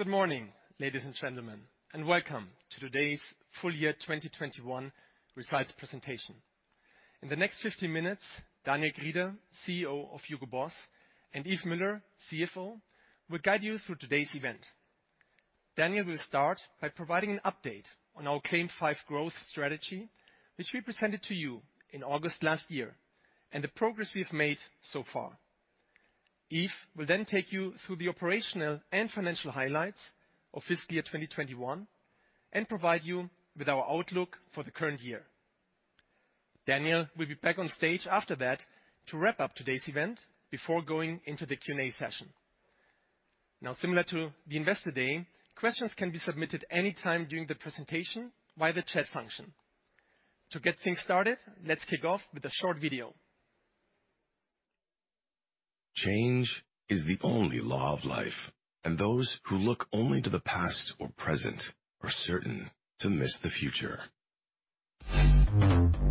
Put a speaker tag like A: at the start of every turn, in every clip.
A: Good morning, ladies and gentlemen, and welcome to today's Full Year 2021 Results Presentation. In the next 50 minutes, Daniel Grieder, CEO of Hugo Boss, and Yves Müller, CFO, will guide you through today's event. Daniel will start by providing an update on our CLAIM 5 growth strategy, which we presented to you in August last year, and the progress we have made so far. Yves will then take you through the operational and financial highlights of fiscal year 2021, and provide you with our outlook for the current year. Daniel will be back on stage after that to wrap up today's event before going into the Q&A session. Now, similar to the Investor Day, questions can be submitted any time during the presentation via the chat function. To get things started, let's kick off with a short video.
B: Change is the only law of life, and those who look only to the past or present are certain to miss the future.
C: Hello,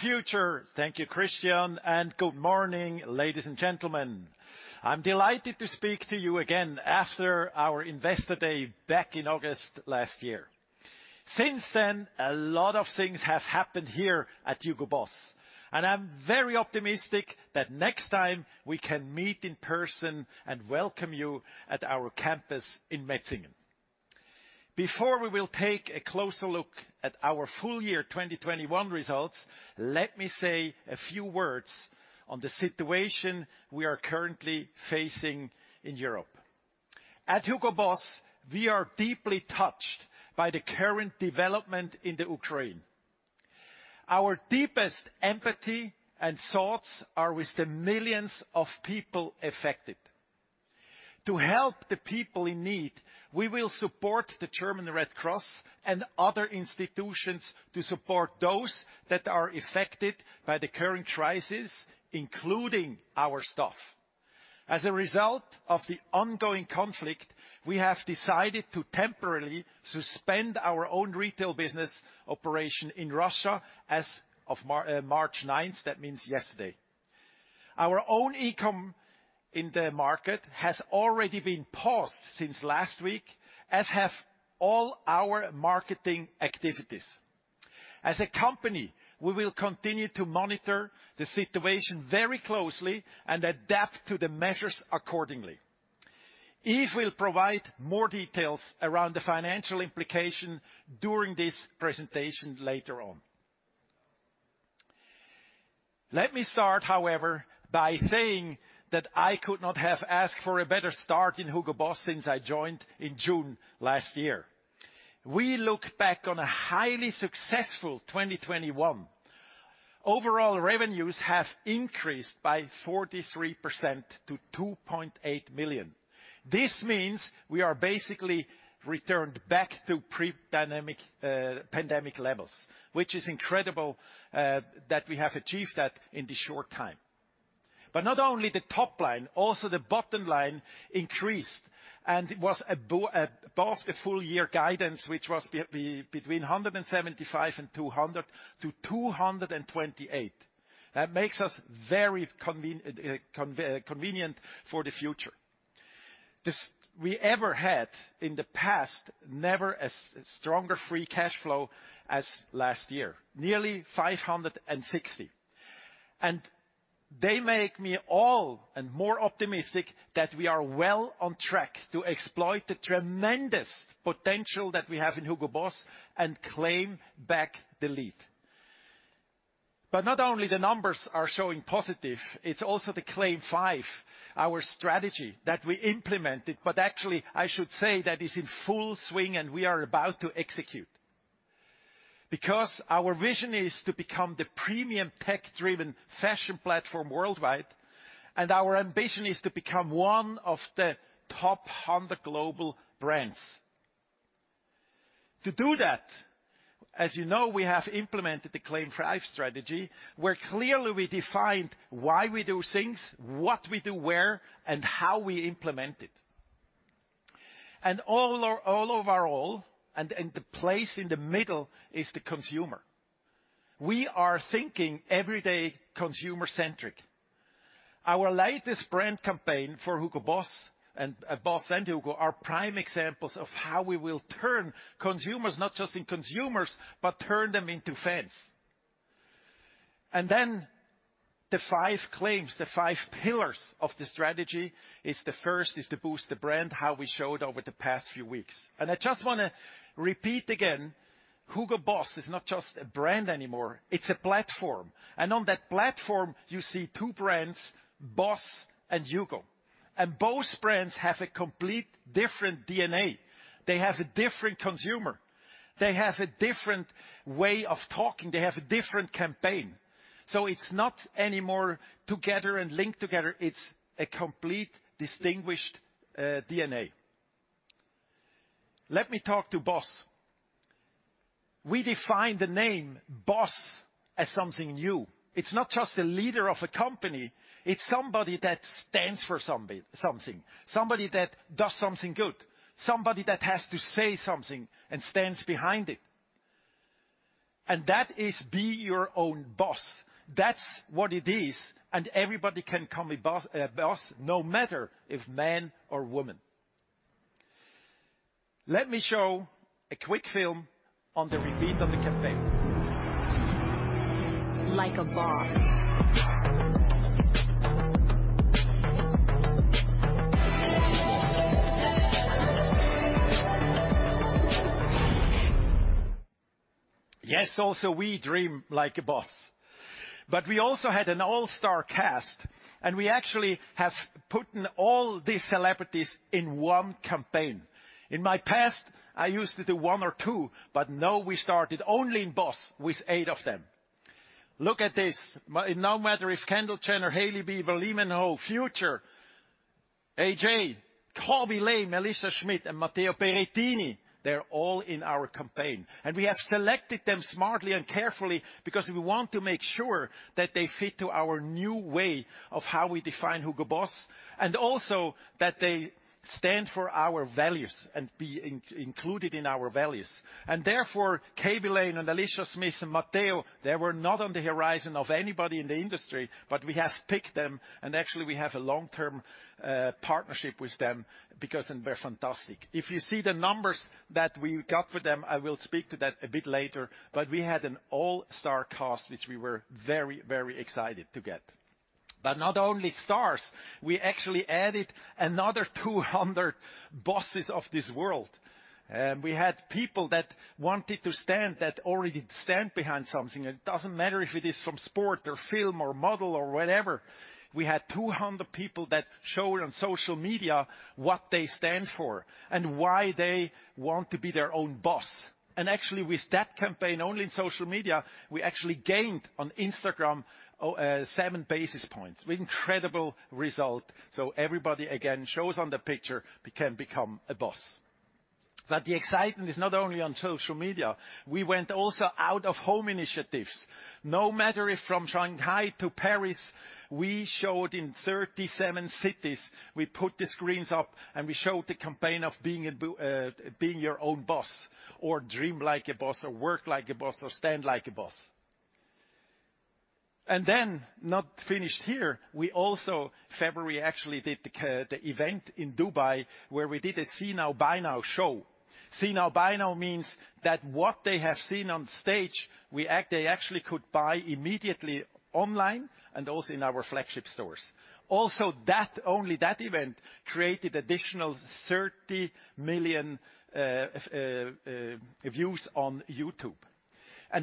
C: Future. Thank you, Christian. Good morning, ladies and gentlemen. I'm delighted to speak to you again after our Investor Day back in August last year. Since then, a lot of things have happened here at HUGO BOSS, and I'm very optimistic that next time we can meet in person and welcome you at our campus in Metzingen. Before we will take a closer look at our full year 2021 results, let me say a few words on the situation we are currently facing in Europe. At HUGO BOSS, we are deeply touched by the current development in the Ukraine. Our deepest empathy and thoughts are with the millions of people affected. To help the people in need, we will support the German Red Cross and other institutions to support those that are affected by the current crisis, including our staff. As a result of the ongoing conflict, we have decided to temporarily suspend our own retail business operation in Russia as of March 9. That means yesterday. Our own e-com in the market has already been paused since last week, as have all our marketing activities. As a company, we will continue to monitor the situation very closely and adapt to the measures accordingly. Yves will provide more details around the financial implication during this presentation later on. Let me start, however, by saying that I could not have asked for a better start in HUGO BOSS since I joined in June last year. We look back on a highly successful 2021. Overall revenues have increased by 43% to 2.8 billion. This means we are basically returned back to pre-pandemic levels, which is incredible, that we have achieved that in this short time. Not only the top line, also the bottom line increased. It was above the full year guidance, which was between 175 million and 228 million. That makes us very confident for the future. We never had in the past a stronger free cash flow than last year. Nearly 560 million. That makes me all the more optimistic that we are well on track to exploit the tremendous potential that we have in HUGO BOSS and claim back the lead. Not only the numbers are showing positive, it's also the CLAIM 5, our strategy that we implemented, but actually I should say that is in full swing and we are about to execute. Because our vision is to become the premium tech-driven fashion platform worldwide, and our ambition is to become one of the top 100 global brands. To do that, as you know, we have implemented the CLAIM 5 strategy, where clearly we defined why we do things, what we do where, and how we implement it. All overall, the place in the middle is the consumer. We are thinking every day consumer-centric. Our latest brand campaign for HUGO BOSS and BOSS and HUGO are prime examples of how we will turn consumers, not just into consumers, but turn them into fans. The five claims, the five pillars of the strategy is the first is to boost the brand, how we showed over the past few weeks. I just wanna repeat again, HUGO BOSS is not just a brand anymore, it's a platform. On that platform, you see two brands, BOSS and HUGO. Both brands have a complete different DNA. They have a different consumer. They have a different way of talking. They have a different campaign. It's not anymore together and linked together, it's a complete distinguished DNA. Let me talk to BOSS. We define the name BOSS as something new. It's not just a leader of a company, it's somebody that stands for something. Somebody that does something good. Somebody that has to say something and stands behind it. That is be your own boss. That's what it is. Everybody can come a boss, no matter if man or woman. Let me show a quick film on the reveal of the campaign.
B: Like a boss.
C: Yes, also we dream like a boss. We also had an all-star cast, and we actually have put all these celebrities in one campaign. In my past, I used to do one or two, but no, we started only in BOSS with eight of them. Look at this. No matter if Kendall Jenner, Hailey Bieber, Imaan Hammam, Future, AJ, Khaby Lame, Alica Schmidt, and Matteo Berrettini, they're all in our campaign. We have selected them smartly and carefully because we want to make sure that they fit to our new way of how we define HUGO BOSS, and also that they stand for our values and be included in our values. Therefore, Khaby Lame, Alica Schmidt and Matteo, they were not on the horizon of anybody in the industry, but we have picked them, and actually we have a long-term partnership with them because they're fantastic. If you see the numbers that we got for them, I will speak to that a bit later, but we had an all-star cast, which we were very, very excited to get. Not only stars, we actually added another 200 bosses of this world. We had people that wanted to stand, that already stand behind something. It doesn't matter if it is from sport or film or model or whatever. We had 200 people that showed on social media what they stand for and why they want to be their own boss. Actually with that campaign only in social media, we actually gained on Instagram, seven basis points. Incredible result. Everybody again shows on the picture, become a boss. The excitement is not only on social media. We went also out of home initiatives. No matter if from Shanghai to Paris, we showed in 37 cities, we put the screens up and we showed the campaign of being your own boss, or dream like a boss, or work like a boss, or stand like a boss. Not finished here, we also, February, actually did the event in Dubai, where we did a see-now buy-now show. See now, buy now means that what they have seen on stage, they actually could buy immediately online and also in our flagship stores. Only that event created additional 30 million views on YouTube.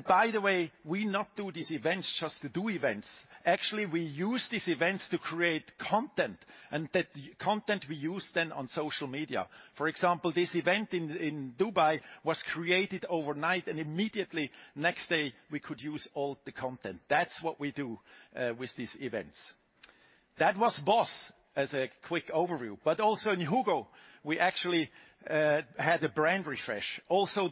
C: By the way, we do not do these events just to do events. Actually, we use these events to create content and that content we use then on social media. For example, this event in Dubai was created overnight and immediately next day we could use all the content. That's what we do with these events. That was BOSS as a quick overview. But also in HUGO, we actually had a brand refresh.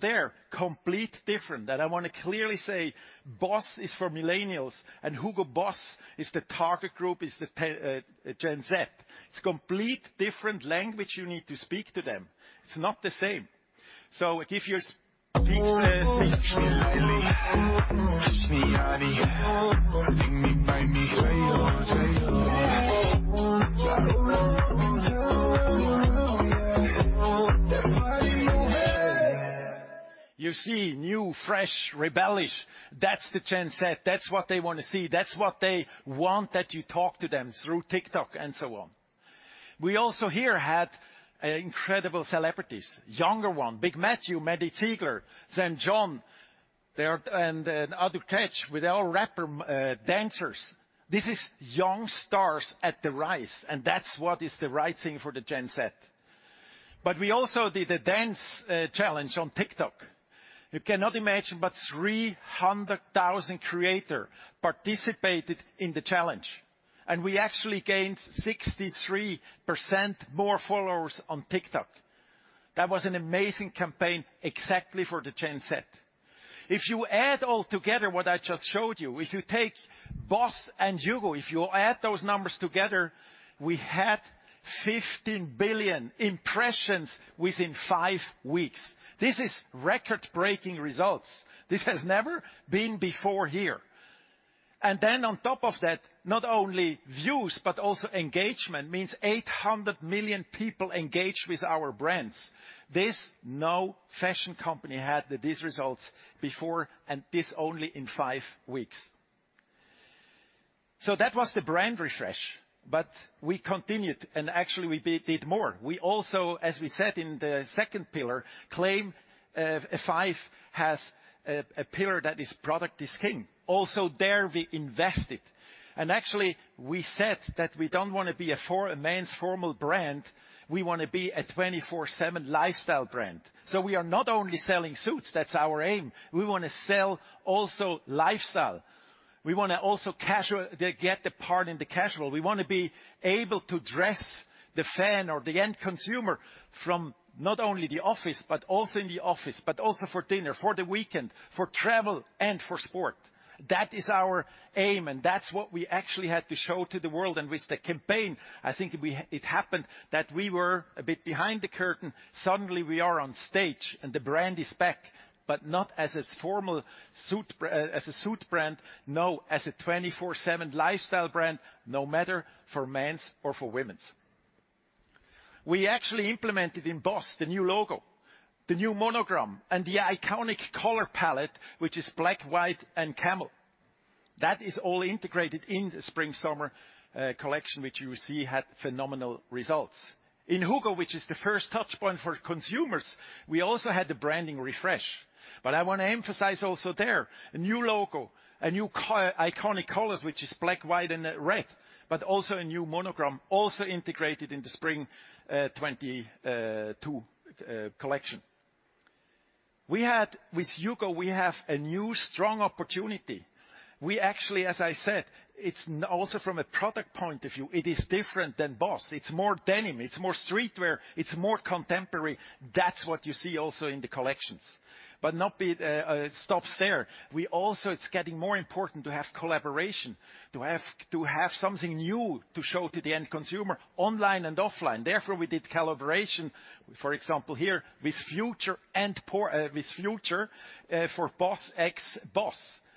C: There, complete different. I want to clearly say BOSS is for millennials and HUGO BOSS is the target group, Gen Z. It's complete different language you need to speak to them. It's not the same. If you're- You see new, fresh, rebellious. That's the Gen Z. That's what they wanna see. That's what they want, that you talk to them through TikTok and so on. We also had incredible celebrities, younger ones, Big Matthew, Maddie Ziegler, SAINt JHN, and other rappers, dancers. This is young stars on the rise, and that's what is the right thing for the Gen Z. We also did a dance challenge on TikTok. You cannot imagine, but 300,000 creators participated in the challenge, and we actually gained 63% more followers on TikTok. That was an amazing campaign exactly for the Gen Z. If you add all together what I just showed you, if you take BOSS and HUGO, if you add those numbers together, we had 15 billion impressions within five weeks. This is record-breaking results. This has never been before here. Then on top of that, not only views, but also engagement, means 800 million people engaged with our brands. This, no fashion company had these results before, and this only in five weeks. That was the brand refresh. We continued, and actually we did more. We also, as we said in the second pillar, CLAIM 5 has a pillar that is product is king. Also there we invested. Actually we said that we don't wanna be a men's formal brand, we wanna be a 24/7 lifestyle brand. We are not only selling suits, that's our aim, we wanna sell also lifestyle. We wanna also get the part in the casual. We wanna be able to dress the fan or the end consumer from not only the office, but also in the office, but also for dinner, for the weekend, for travel and for sport. That is our aim, and that's what we actually had to show to the world. With the campaign, I think it happened that we were a bit behind the curtain. Suddenly we are on stage and the brand is back, but not as a formal suit brand. No, as a 24/7 lifestyle brand, no matter for men's or for women's. We actually implemented in BOSS the new logo, the new monogram, and the iconic color palette, which is black, white and camel. That is all integrated in the spring/summer collection, which you see had phenomenal results. In HUGO, which is the first touchpoint for consumers, we also had the branding refresh. I wanna emphasize also there, a new logo, new iconic colors, which is black, white, and red, but also a new monogram also integrated in the spring 2022 collection. With HUGO, we have a new strong opportunity. We actually, as I said, it's also from a product point of view, it is different than BOSS. It's more denim, it's more streetwear, it's more contemporary. That's what you see also in the collections. It doesn't stop there. We also, it's getting more important to have collaboration, to have something new to show to the end consumer online and offline. Therefore, we did collaboration, for example, here with Future for BOSS x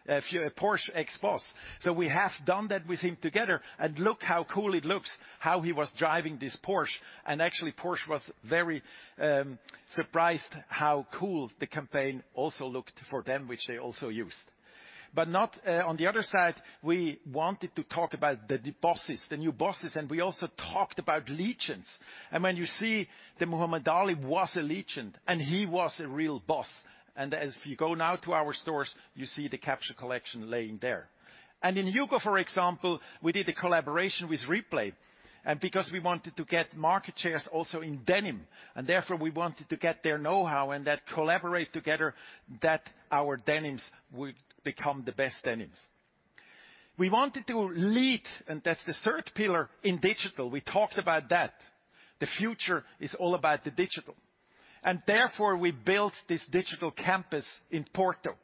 C: Future. Porsche x BOSS. We have done that with him together, and look how cool it looks, how he was driving this Porsche. Actually, Porsche was very surprised how cool the campaign also looked for them, which they also used. On the other side, we wanted to talk about the BOSSes, the new BOSSes, and we also talked about legends. When you see the Muhammad Ali was a legend, and he was a real BOSS. If you go now to our stores, you see the capsule collection laying there. In HUGO, for example, we did a collaboration with Replay, and because we wanted to get market shares also in denim, and therefore we wanted to get their know-how and then collaborate together that our denims would become the best denims. We wanted to lead, and that's the third pillar in digital. We talked about that. The future is all about the digital. Therefore, we built this digital campus in Porto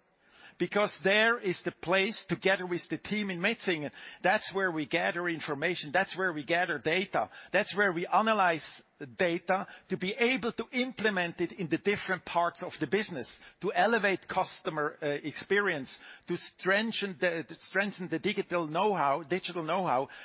C: because there is the place together with the team in Metzingen. That's where we gather information, that's where we gather data, that's where we analyze data to be able to implement it in the different parts of the business to elevate customer experience, to strengthen the digital know-how,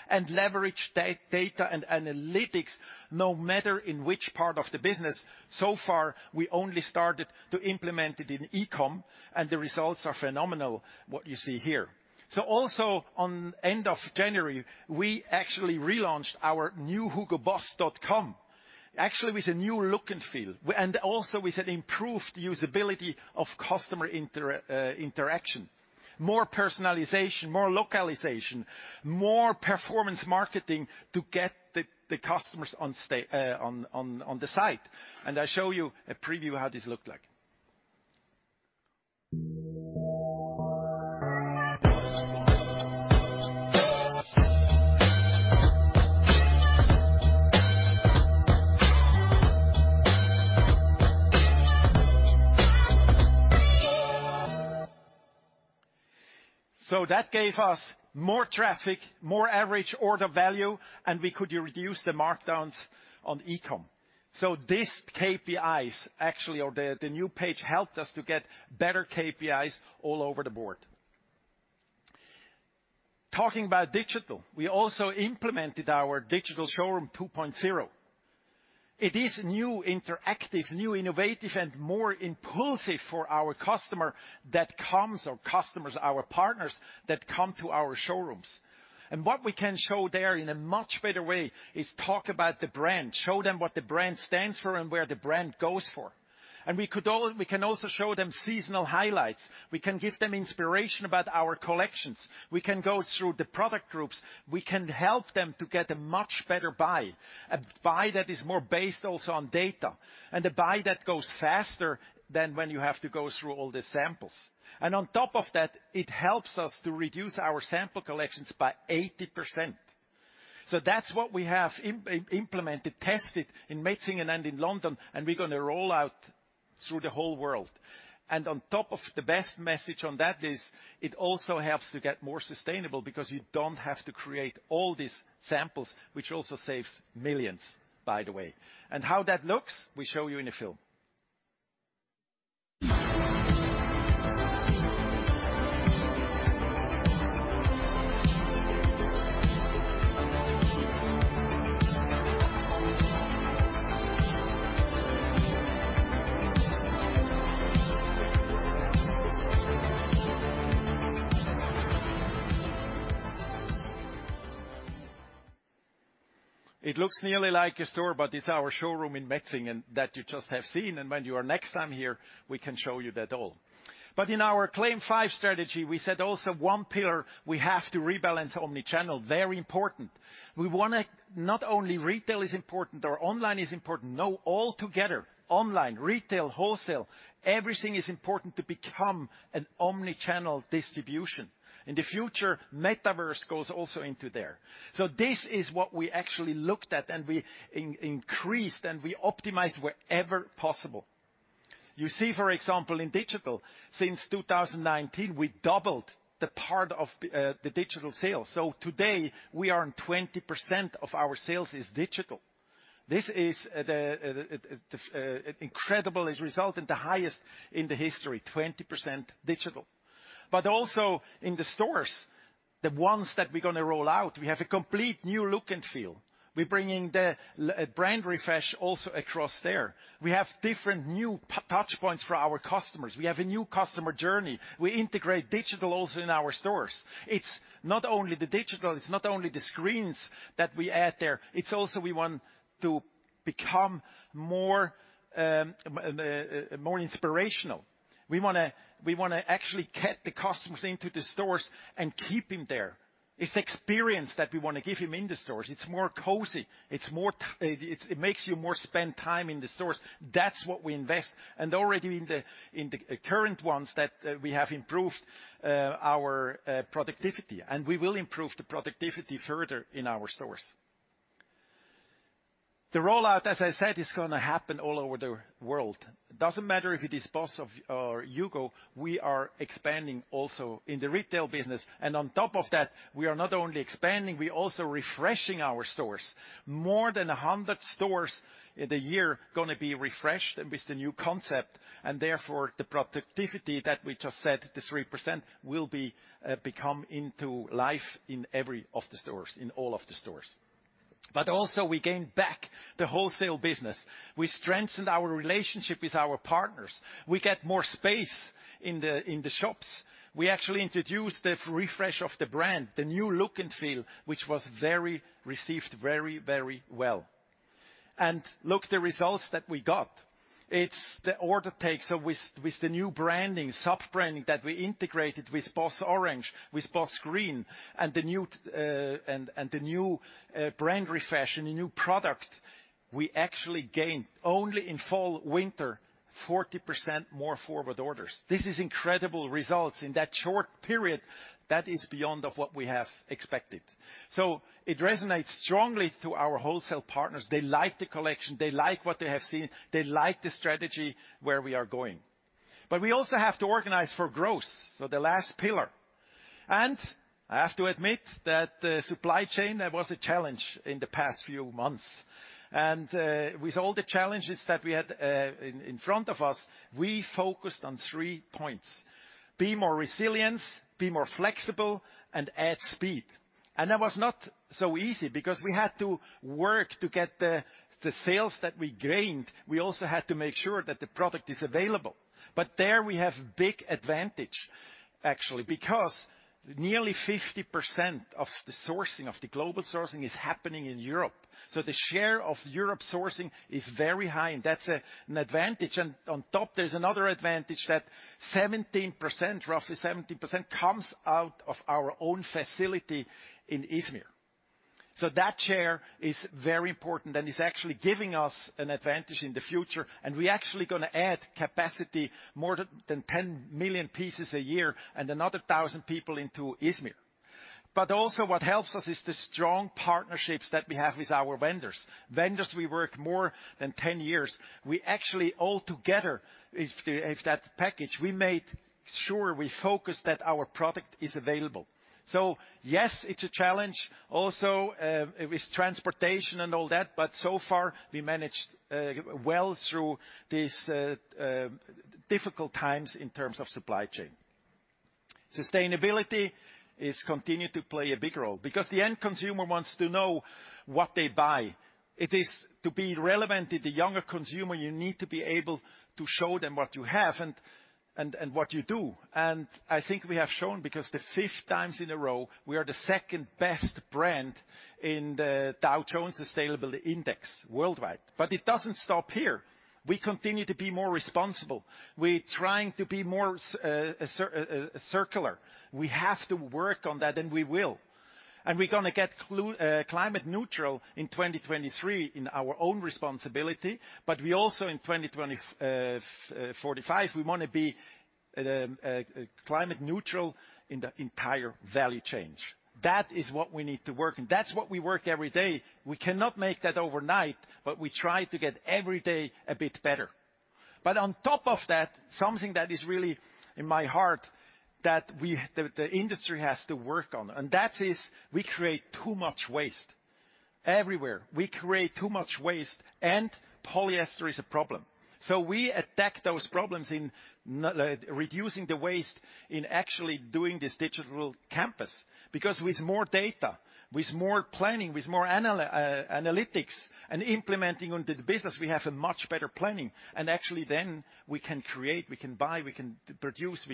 C: and leverage data and analytics no matter in which part of the business. So far, we only started to implement it in e-com, and the results are phenomenal, what you see here. Also at the end of January, we actually relaunched our new hugoboss.com, actually with a new look and feel, and also with an improved usability of customer interaction, more personalization, more localization, more performance marketing to get the customers on sta... On the site. I show you a preview how this looked like. That gave us more traffic, more average order value, and we could reduce the markdowns on e-com. This KPIs actually, or the new page helped us to get better KPIs all over the board. Talking about digital, we also implemented our digital showroom 2.0. It is new interactive, new innovative, and more impulsive for our customers, our partners that come to our showrooms. What we can show there in a much better way is talk about the brand, show them what the brand stands for and where the brand goes for. We can also show them seasonal highlights. We can give them inspiration about our collections. We can go through the product groups. We can help them to get a much better buy, a buy that is more based also on data, and a buy that goes faster than when you have to go through all the samples. On top of that, it helps us to reduce our sample collections by 80%. That's what we have implemented, tested in Metzingen and in London, and we're gonna roll out through the whole world. On top of the best message on that is it also helps to get more sustainable because you don't have to create all these samples, which also saves millions, by the way. How that looks, we show you in a film. It looks nearly like a store, but it's our showroom in Metzingen that you just have seen, and when you are next time here, we can show you that all. In our CLAIM 5 strategy, we said also one pillar we have to rebalance omni-channel, very important. Not only retail is important or online is important, no, all together, online, retail, wholesale, everything is important to become an omni-channel distribution. In the future, Metaverse goes also into there. This is what we actually looked at, and we increased, and we optimized wherever possible. You see, for example, in digital, since 2019, we doubled the part of the digital sales. Today, we are in 20% of our sales is digital. This is the incredible result and the highest in the history, 20% digital. Also in the stores, the ones that we're gonna roll out, we have a complete new look and feel. We're bringing the brand refresh also across there. We have different new touchpoints for our customers. We have a new customer journey. We integrate digital also in our stores. It's not only the digital, it's not only the screens that we add there, it's also we want to become more inspirational. We wanna actually get the customers into the stores and keep him there. It's experience that we wanna give him in the stores. It's more cozy. It makes you spend more time in the stores. That's what we invest. Already in the current ones that we have improved our productivity, and we will improve the productivity further in our stores. The rollout, as I said, is gonna happen all over the world. Doesn't matter if it is BOSS or HUGO, we are expanding also in the retail business. On top of that, we are not only expanding, we're also refreshing our stores. More than 100 stores in the year gonna be refreshed with the new concept, and therefore, the productivity that we just said, this 3%, will be come to life in every of the stores, in all of the stores. We gained back the wholesale business. We strengthened our relationship with our partners. We get more space in the shops. We actually introduced the refresh of the brand, the new look and feel, which was very well received. Look the results that we got. It's the order intake with the new branding, sub-branding that we integrated with BOSS Orange, with BOSS Green, and the new brand refresh and the new product. We actually gained only in fall/winter 40% more forward orders. This is incredible results in that short period that is beyond what we have expected. It resonates strongly to our wholesale partners. They like the collection. They like what they have seen. They like the strategy where we are going. We also have to organize for growth, so the last pillar. I have to admit that the supply chain that was a challenge in the past few months. With all the challenges that we had in front of us, we focused on three points, be more resilient, be more flexible, and add speed. That was not so easy because we had to work to get the sales that we gained. We also had to make sure that the product is available. There we have big advantage actually, because nearly 50% of the sourcing, of the global sourcing is happening in Europe. The share of Europe sourcing is very high, and that's an advantage. On top, there's another advantage that 17%, roughly 17%, comes out of our own facility in Izmir. That share is very important, and it's actually giving us an advantage in the future, and we actually gonna add capacity, more than 10 million pieces a year and another 1,000 people into Izmir. Also what helps us is the strong partnerships that we have with our vendors. Vendors we work more than 10 years. We actually all together is that package we made sure we focus that our product is available. Yes, it's a challenge also with transportation and all that, but so far we managed well through this difficult times in terms of supply chain. Sustainability continues to play a big role because the end consumer wants to know what they buy. It is to be relevant to the younger consumer you need to be able to show them what you have and what you do. I think we have shown because the fifth time in a row, we are the second-best brand in the Dow Jones Sustainability Index worldwide. It doesn't stop here. We continue to be more responsible. We're trying to be more circular. We have to work on that, and we will. We're gonna get climate neutral in 2023 in our own responsibility, but we also in 2025 we wanna be climate neutral in the entire value chains. That is what we need to work, and that's what we work every day. We cannot make that overnight, but we try to get every day a bit better. On top of that, something that is really in my heart that the industry has to work on, and that is we create too much waste. Everywhere, we create too much waste, and polyester is a problem. We attack those problems in reducing the waste in actually doing this digital campus. Because with more data, with more planning, with more analytics and implementing on the business, we have a much better planning. We can create, buy, produce,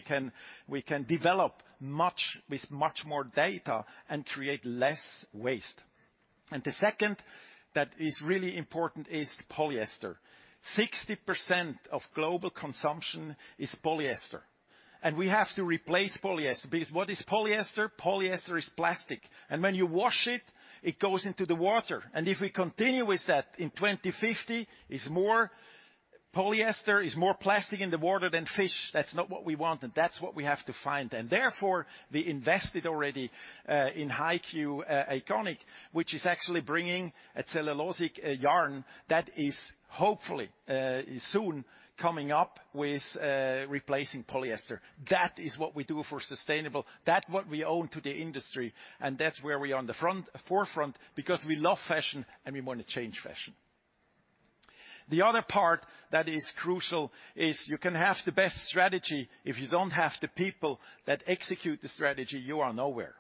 C: develop much with much more data and create less waste. The second that is really important is polyester. 60% of global consumption is polyester, and we have to replace polyester. Because what is polyester? Polyester is plastic, and when you wash it goes into the water. If we continue with that, in 2050, it's more polyester, it's more plastic in the water than fish. That's not what we want, and that's what we have to find. Therefore, we invested already in HeiQ AeoniQ, which is actually bringing a cellulosic yarn that is hopefully soon coming up with replacing polyester. That is what we do for sustainable. That's what we owe to the industry, and that's where we are on the forefront because we love fashion and we wanna change fashion. The other part that is crucial is you can have the best strategy. If you don't have the people that execute the strategy, you are nowhere.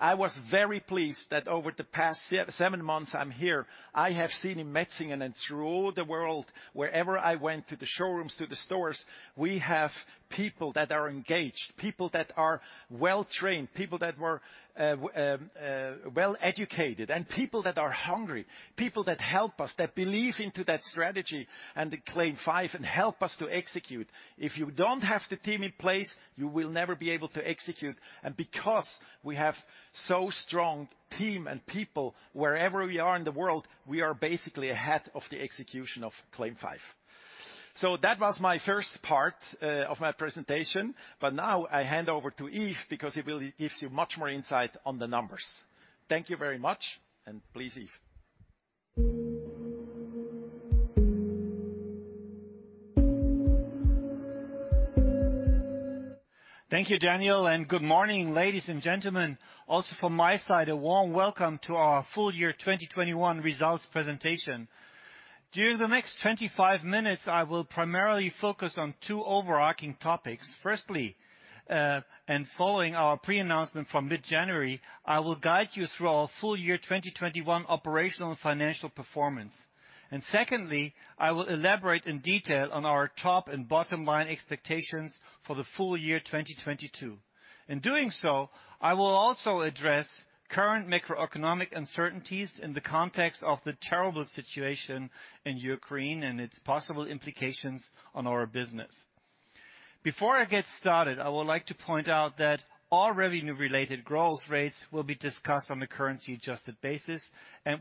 C: I was very pleased that over the past seven months I'm here, I have seen in Metzingen and through all the world, wherever I went to the showrooms, to the stores, we have people that are engaged, people that are well-trained, people that were well-educated, and people that are hungry, people that help us, that believe in that strategy and the CLAIM 5 and help us to execute. If you don't have the team in place, you will never be able to execute. Because we have such a strong team and people wherever we are in the world, we are basically ahead of the execution of CLAIM 5. That was my first part of my presentation, but now I hand over to Yves because he gives you much more insight on the numbers. Thank you very much, and please, Yves.
D: Thank you, Daniel, and good morning, ladies and gentlemen. Also from my side, a warm welcome to our full year 2021 results presentation. During the next 25 minutes, I will primarily focus on two overarching topics. Firstly, and following our pre-announcement from mid-January, I will guide you through our full year 2021 operational and financial performance. Secondly, I will elaborate in detail on our top and bottom line expectations for the full year 2022. In doing so, I will also address current macroeconomic uncertainties in the context of the terrible situation in Ukraine and its possible implications on our business. Before I get started, I would like to point out that all revenue-related growth rates will be discussed on a currency adjusted basis.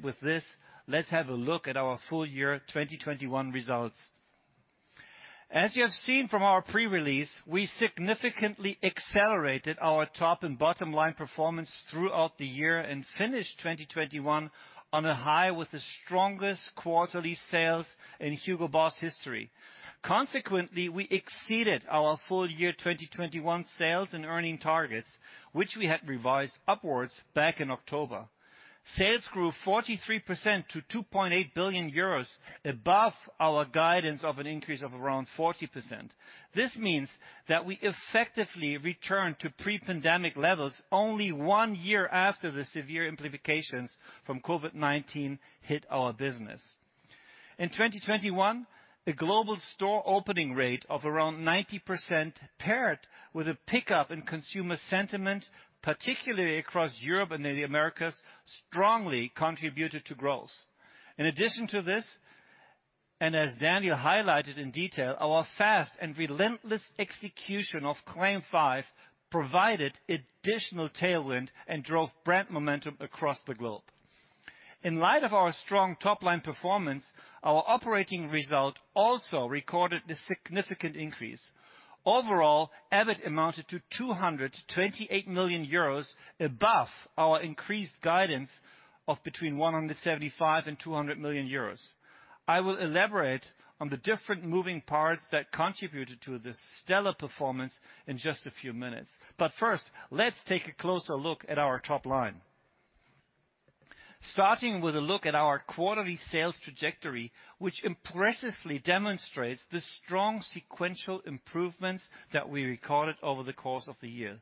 D: With this, let's have a look at our full year 2021 results. As you have seen from our pre-release, we significantly accelerated our top and bottom line performance throughout the year and finished 2021 on a high with the strongest quarterly sales in HUGO BOSS history. Consequently, we exceeded our full year 2021 sales and earnings targets, which we had revised upwards back in October. Sales grew 43% to 2.8 billion euros above our guidance of an increase of around 40%. This means that we effectively returned to pre-pandemic levels only one year after the severe implications from COVID-19 hit our business. In 2021, a global store opening rate of around 90% paired with a pickup in consumer sentiment, particularly across Europe and the Americas, strongly contributed to growth. In addition to this, and as Daniel highlighted in detail, our fast and relentless execution of CLAIM 5 provided additional tailwind and drove brand momentum across the globe. In light of our strong top-line performance, our operating result also recorded a significant increase. Overall, EBIT amounted to 228 million euros, above our increased guidance of between 175 million and 200 million euros. I will elaborate on the different moving parts that contributed to this stellar performance in just a few minutes. First, let's take a closer look at our top line. Starting with a look at our quarterly sales trajectory, which impressively demonstrates the strong sequential improvements that we recorded over the course of the year.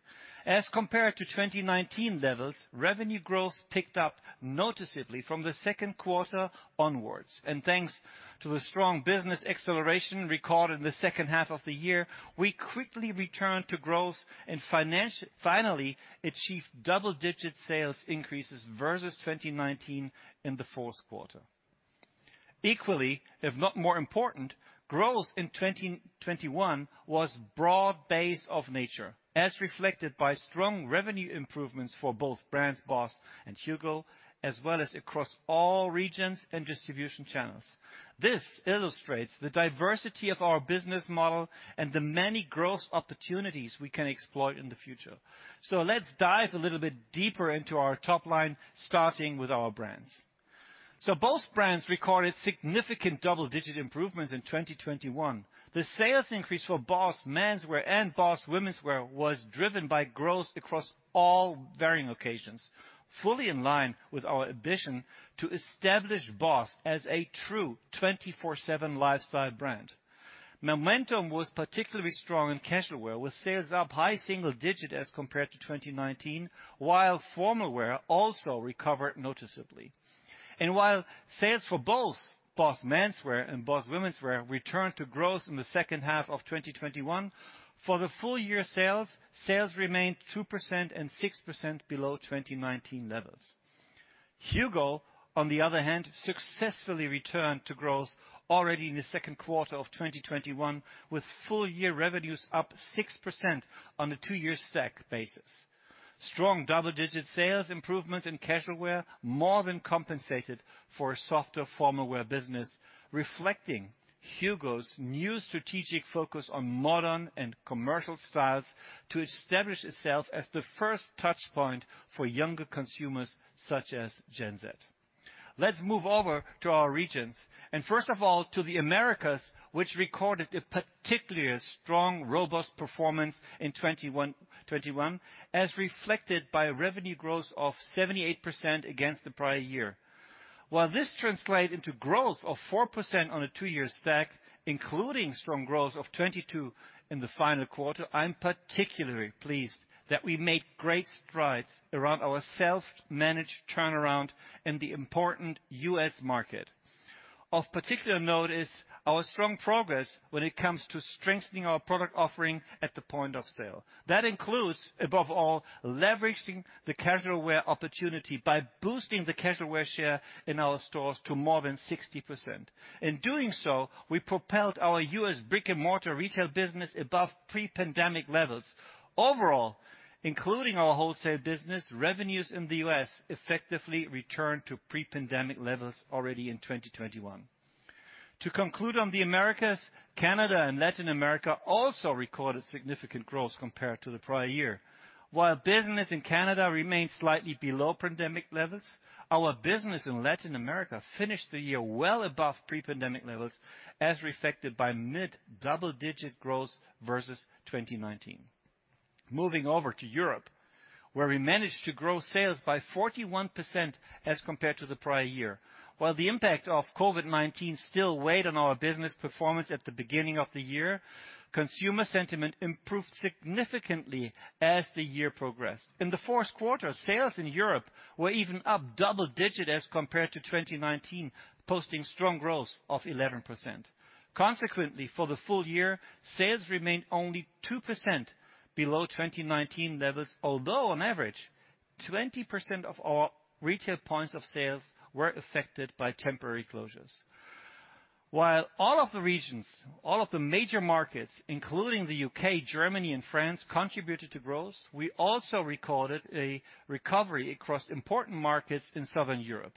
D: As compared to 2019 levels, revenue growth picked up noticeably from the second quarter onwards. Thanks to the strong business acceleration recorded in the second half of the year, we quickly returned to growth and finally achieved double-digit sales increases versus 2019 in the fourth quarter. Equally, if not more important, growth in 2021 was broad-based in nature, as reflected by strong revenue improvements for both brands BOSS and HUGO, as well as across all regions and distribution channels. This illustrates the diversity of our business model and the many growth opportunities we can explore in the future. Let's dive a little bit deeper into our top line, starting with our brands. Both brands recorded significant double-digit improvements in 2021. The sales increase for BOSS menswear and BOSS womenswear was driven by growth across all varying occasions, fully in line with our ambition to establish BOSS as a true 24/7 lifestyle brand. Momentum was particularly strong in casual wear, with sales up high single-digit as compared to 2019, while formal wear also recovered noticeably. While sales for both BOSS menswear and BOSS womenswear returned to growth in the second half of 2021, for the full-year sales remained 2% and 6% below 2019 levels. HUGO, on the other hand, successfully returned to growth already in the second quarter of 2021, with full-year revenues up 6% on a two-year stack basis. Strong double-digit sales improvement in casual wear more than compensated for softer formal wear business, reflecting Hugo's new strategic focus on modern and commercial styles to establish itself as the first touch point for younger consumers, such as Gen Z. Let's move over to our regions, and first of all, to the Americas, which recorded a particularly strong, robust performance in 2021, as reflected by revenue growth of 78% against the prior year. While this translate into growth of 4% on a two-year stack, including strong growth of 22% in the final quarter, I'm particularly pleased that we made great strides around our self-managed turnaround in the important U.S. market. Of particular note is our strong progress when it comes to strengthening our product offering at the point of sale. That includes, above all, leveraging the casual wear opportunity by boosting the casual wear share in our stores to more than 60%. In doing so, we propelled our U.S. brick-and-mortar retail business above pre-pandemic levels. Overall, including our wholesale business, revenues in the U.S. effectively returned to pre-pandemic levels already in 2021. To conclude on the Americas, Canada and Latin America also recorded significant growth compared to the prior year. While business in Canada remained slightly below pandemic levels, our business in Latin America finished the year well above pre-pandemic levels, as reflected by mid-double-digit growth versus 2019. Moving over to Europe, where we managed to grow sales by 41% as compared to the prior year. While the impact of COVID-19 still weighed on our business performance at the beginning of the year, consumer sentiment improved significantly as the year progressed. In the fourth quarter, sales in Europe were even up double-digit as compared to 2019, posting strong growth of 11%. Consequently, for the full year, sales remained only 2% below 2019 levels, although on average, 20% of our retail points of sale were affected by temporary closures. While all of the regions, all of the major markets, including the U.K., Germany, and France, contributed to growth, we also recorded a recovery across important markets in Southern Europe,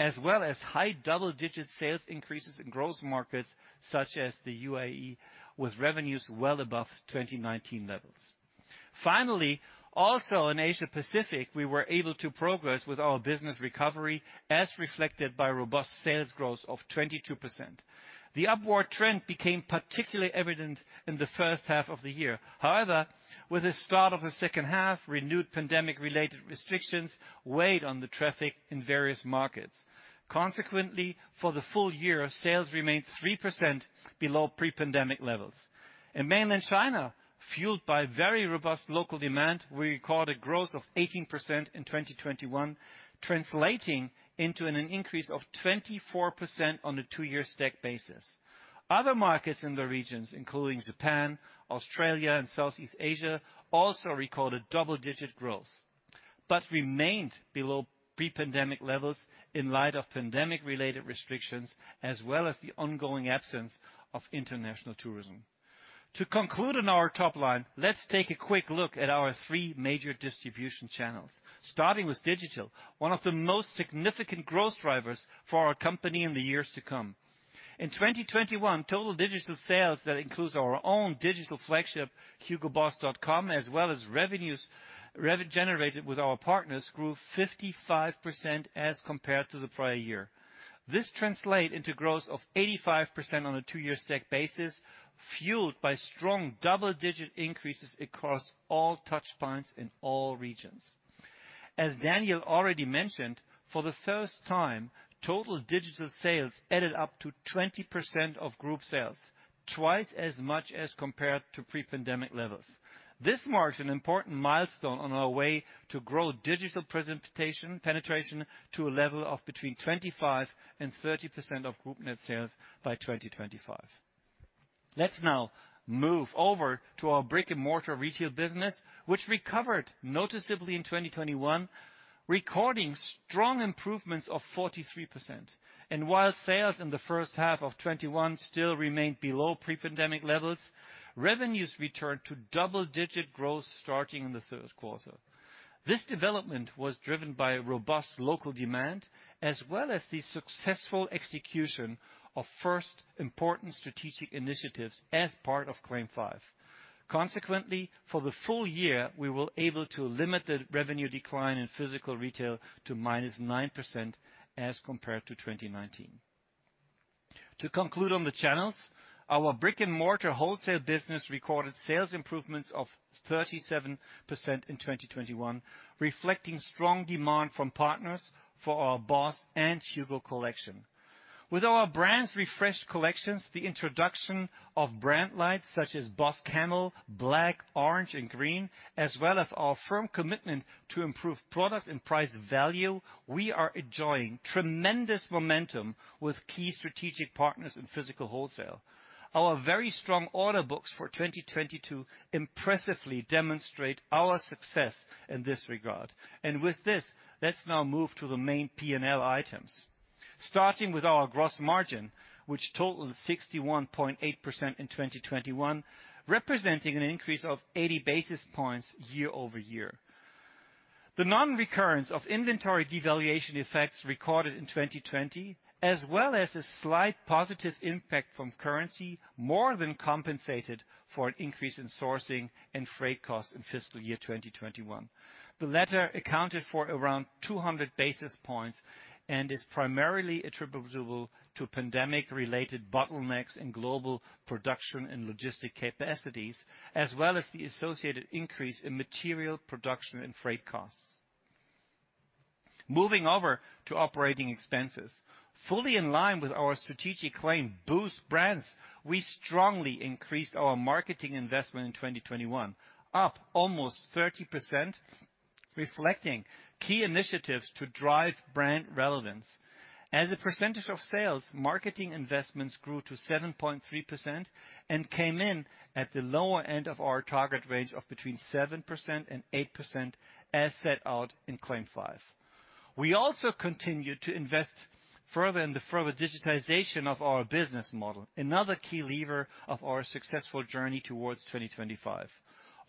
D: as well as high double-digit sales increases in growth markets such as the UAE, with revenues well above 2019 levels. Finally, also in Asia Pacific, we were able to progress with our business recovery, as reflected by robust sales growth of 22%. The upward trend became particularly evident in the first half of the year. However, with the start of the second half, renewed pandemic-related restrictions weighed on the traffic in various markets. Consequently, for the full year, sales remained 3% below pre-pandemic levels. In Mainland China, fueled by very robust local demand, we recorded growth of 18% in 2021, translating into an increase of 24% on a two-year stack basis. Other markets in the regions, including Japan, Australia, and Southeast Asia, also recorded double-digit growth but remained below pre-pandemic levels in light of pandemic-related restrictions, as well as the ongoing absence of international tourism. To conclude on our top line, let's take a quick look at our three major distribution channels. Starting with digital, one of the most significant growth drivers for our company in the years to come. In 2021, total digital sales, that includes our own digital flagship, hugoboss.com, as well as revenue generated with our partners, grew 55% as compared to the prior year. This translate into growth of 85% on a two-year stack basis, fueled by strong double-digit increases across all touchpoints in all regions. As Daniel already mentioned, for the first time, total digital sales added up to 20% of group sales, twice as much as compared to pre-pandemic levels. This marks an important milestone on our way to grow digital penetration to a level of between 25% and 30% of group net sales by 2025. Let's now move over to our brick-and-mortar retail business, which recovered noticeably in 2021, recording strong improvements of 43%. While sales in the first half of 2021 still remained below pre-pandemic levels, revenues returned to double-digit growth starting in the third quarter. This development was driven by a robust local demand, as well as the successful execution of first important strategic initiatives as part of CLAIM 5. Consequently, for the full year, we were able to limit the revenue decline in physical retail to -9% as compared to 2019. To conclude on the channels, our brick-and-mortar wholesale business recorded sales improvements of 37% in 2021, reflecting strong demand from partners for our BOSS and HUGO collection. With our brands' refreshed collections, the introduction of brand lines such as BOSS Camel, BOSS Black, BOSS Orange, and BOSS Green, as well as our firm commitment to improve product and price value, we are enjoying tremendous momentum with key strategic partners in physical wholesale. Our very strong order books for 2022 impressively demonstrate our success in this regard. With this, let's now move to the main P&L items. Starting with our gross margin, which totaled 61.8% in 2021, representing an increase of 80 basis points year-over-year. The non-recurrence of inventory devaluation effects recorded in 2020, as well as a slight positive impact from currency, more than compensated for an increase in sourcing and freight costs in fiscal year 2021. The latter accounted for around 200 basis points and is primarily attributable to pandemic-related bottlenecks in global production and logistics capacities, as well as the associated increase in material production and freight costs. Moving over to operating expenses. Fully in line with our strategic CLAIM 5, Boost Brands, we strongly increased our marketing investment in 2021, up almost 30%, reflecting key initiatives to drive brand relevance. As a percentage of sales, marketing investments grew to 7.3% and came in at the lower end of our target range of between 7% and 8% as set out in CLAIM 5. We also continued to invest further in the further digitization of our business model, another key lever of our successful journey towards 2025.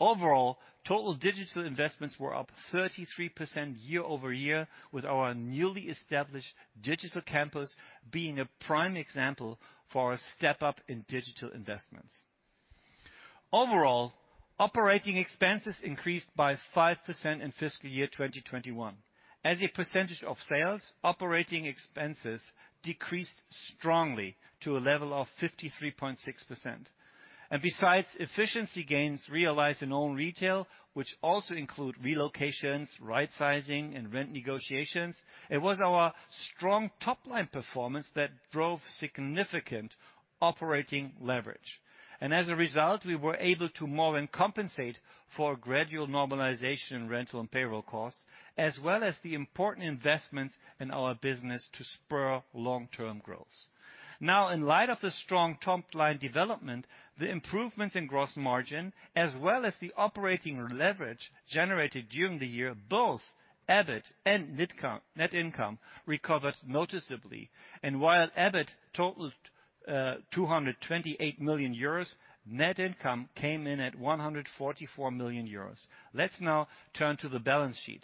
D: Overall, total digital investments were up 33% year-over-year with our newly established digital campus being a prime example for a step up in digital investments. Overall, operating expenses increased by 5% in fiscal year 2021. As a percentage of sales, operating expenses decreased strongly to a level of 53.6%. Besides efficiency gains realized in own retail, which also include relocations, rightsizing, and rent negotiations, it was our strong top-line performance that drove significant operating leverage. As a result, we were able to more than compensate for gradual normalization in rental and payroll costs, as well as the important investments in our business to spur long-term growth. Now, in light of the strong top-line development, the improvement in gross margin, as well as the operating leverage generated during the year, both EBIT and net income recovered noticeably. While EBIT totaled 228 million euros, net income came in at 144 million euros. Let's now turn to the balance sheet.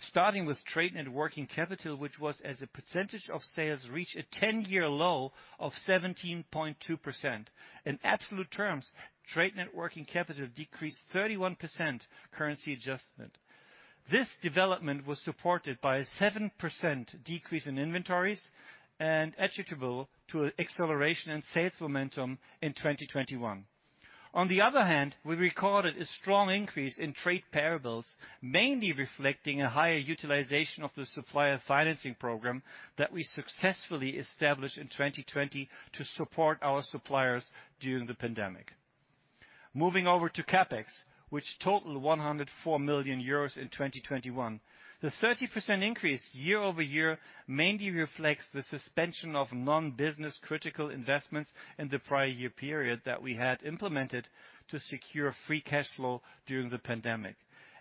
D: Starting with trade net working capital, which was as a percentage of sales, reached a 10-year low of 17.2%. In absolute terms, trade net working capital decreased 31% currency adjustment. This development was supported by a 7% decrease in inventories and attributable to acceleration and sales momentum in 2021. On the other hand, we recorded a strong increase in trade payables, mainly reflecting a higher utilization of the supplier financing program that we successfully established in 2020 to support our suppliers during the pandemic. Moving over to CapEx, which totaled 104 million euros in 2021. The 30% increase year-over-year mainly reflects the suspension of non-business critical investments in the prior year period that we had implemented to secure free cash flow during the pandemic.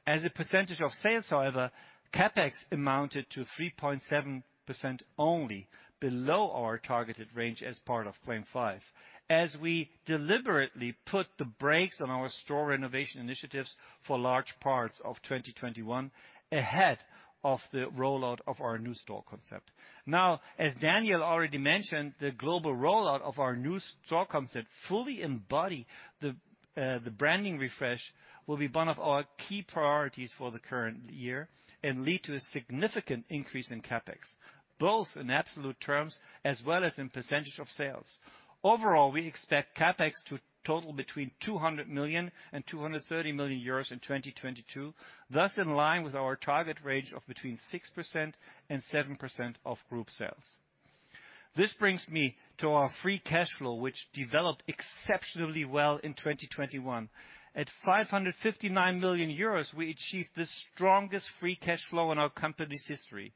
D: As a percentage of sales, however, CapEx amounted to 3.7% only, below our targeted range as part of CLAIM 5. As we deliberately put the brakes on our store renovation initiatives for large parts of 2021 ahead of the rollout of our new store concept. Now, as Daniel already mentioned, the global rollout of our new store concept fully embody the the branding refresh, will be one of our key priorities for the current year and lead to a significant increase in CapEx, both in absolute terms as well as in percentage of sales. Overall, we expect CapEx to total between 200 million and 230 million euros in 2022, thus in line with our target range of between 6% and 7% of group sales. This brings me to our free cash flow, which developed exceptionally well in 2021. At 559 million euros, we achieved the strongest free cash flow in our company's history.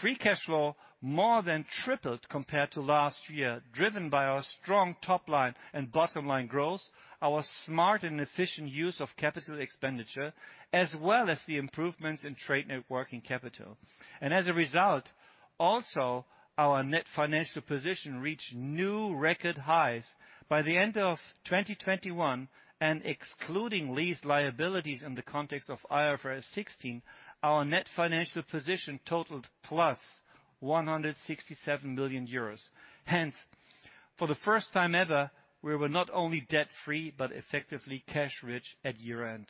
D: Free cash flow more than tripled compared to last year, driven by our strong top line and bottom line growth, our smart and efficient use of capital expenditure, as well as the improvements in net working capital. As a result, also our net financial position reached new record highs. By the end of 2021 and excluding lease liabilities in the context of IFRS 16, our net financial position totaled +167 million euros. Hence, for the first time ever, we were not only debt-free but effectively cash-rich at year-end.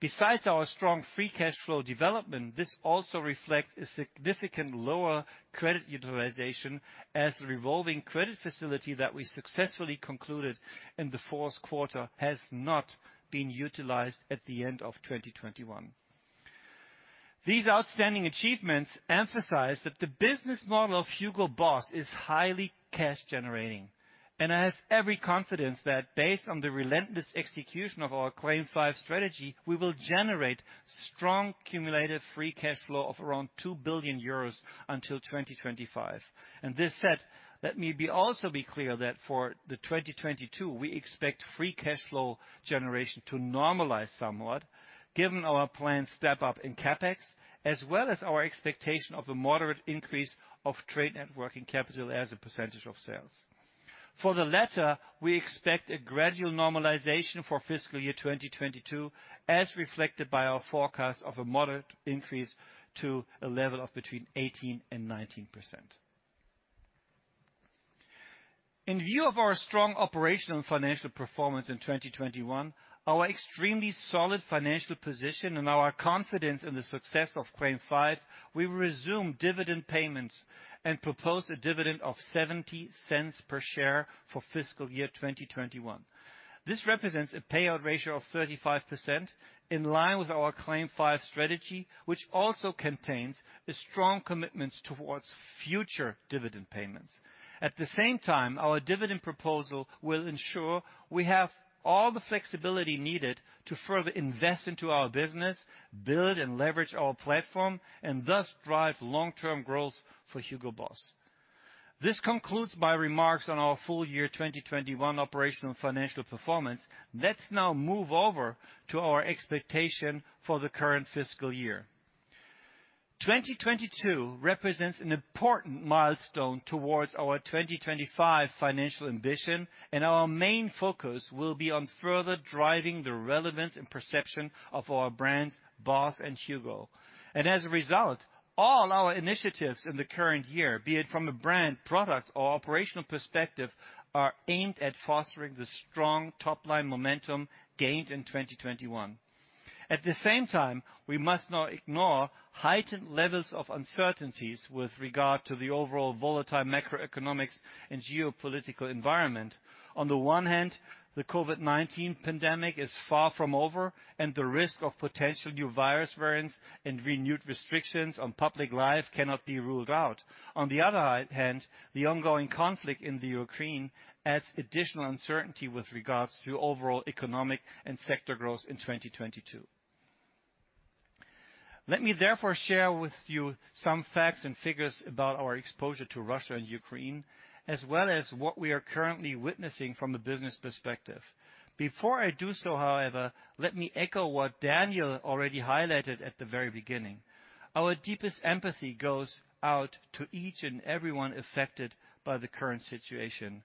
D: Besides our strong free cash flow development, this also reflects a significantly lower credit utilization of a revolving credit facility that we successfully concluded in the fourth quarter has not been utilized at the end of 2021. These outstanding achievements emphasize that the business model of HUGO BOSS is highly cash generating, and I have every confidence that based on the relentless execution of our CLAIM 5 strategy, we will generate strong cumulative free cash flow of around 2 billion euros until 2025. This said, let me also be clear that for 2022, we expect free cash flow generation to normalize somewhat given our planned step up in CapEx, as well as our expectation of a moderate increase of net working capital as a percentage of sales. For the latter, we expect a gradual normalization for fiscal year 2022, as reflected by our forecast of a moderate increase to a level of between 18% and 19%. In view of our strong operational and financial performance in 2021, our extremely solid financial position and our confidence in the success of CLAIM 5, we will resume dividend payments and propose a dividend of 0.70 per share for fiscal year 2021. This represents a payout ratio of 35% in line with our CLAIM 5 strategy, which also contains a strong commitment towards future dividend payments. At the same time, our dividend proposal will ensure we have all the flexibility needed to further invest into our business, build and leverage our platform, and thus drive long-term growth for HUGO BOSS. This concludes my remarks on our full year 2021 operational and financial performance. Let's now move over to our expectation for the current fiscal year. 2022 represents an important milestone towards our 2025 financial ambition, and our main focus will be on further driving the relevance and perception of our brands, BOSS and HUGO. As a result, all our initiatives in the current year, be it from a brand, product or operational perspective, are aimed at fostering the strong top-line momentum gained in 2021. At the same time, we must not ignore heightened levels of uncertainties with regard to the overall volatile macroeconomics and geopolitical environment. On the one hand, the COVID-19 pandemic is far from over and the risk of potential new virus variants and renewed restrictions on public life cannot be ruled out. On the other hand, the ongoing conflict in the Ukraine adds additional uncertainty with regards to overall economic and sector growth in 2022. Let me therefore share with you some facts and figures about our exposure to Russia and Ukraine, as well as what we are currently witnessing from a business perspective. Before I do so, however, let me echo what Daniel already highlighted at the very beginning. Our deepest empathy goes out to each and everyone affected by the current situation.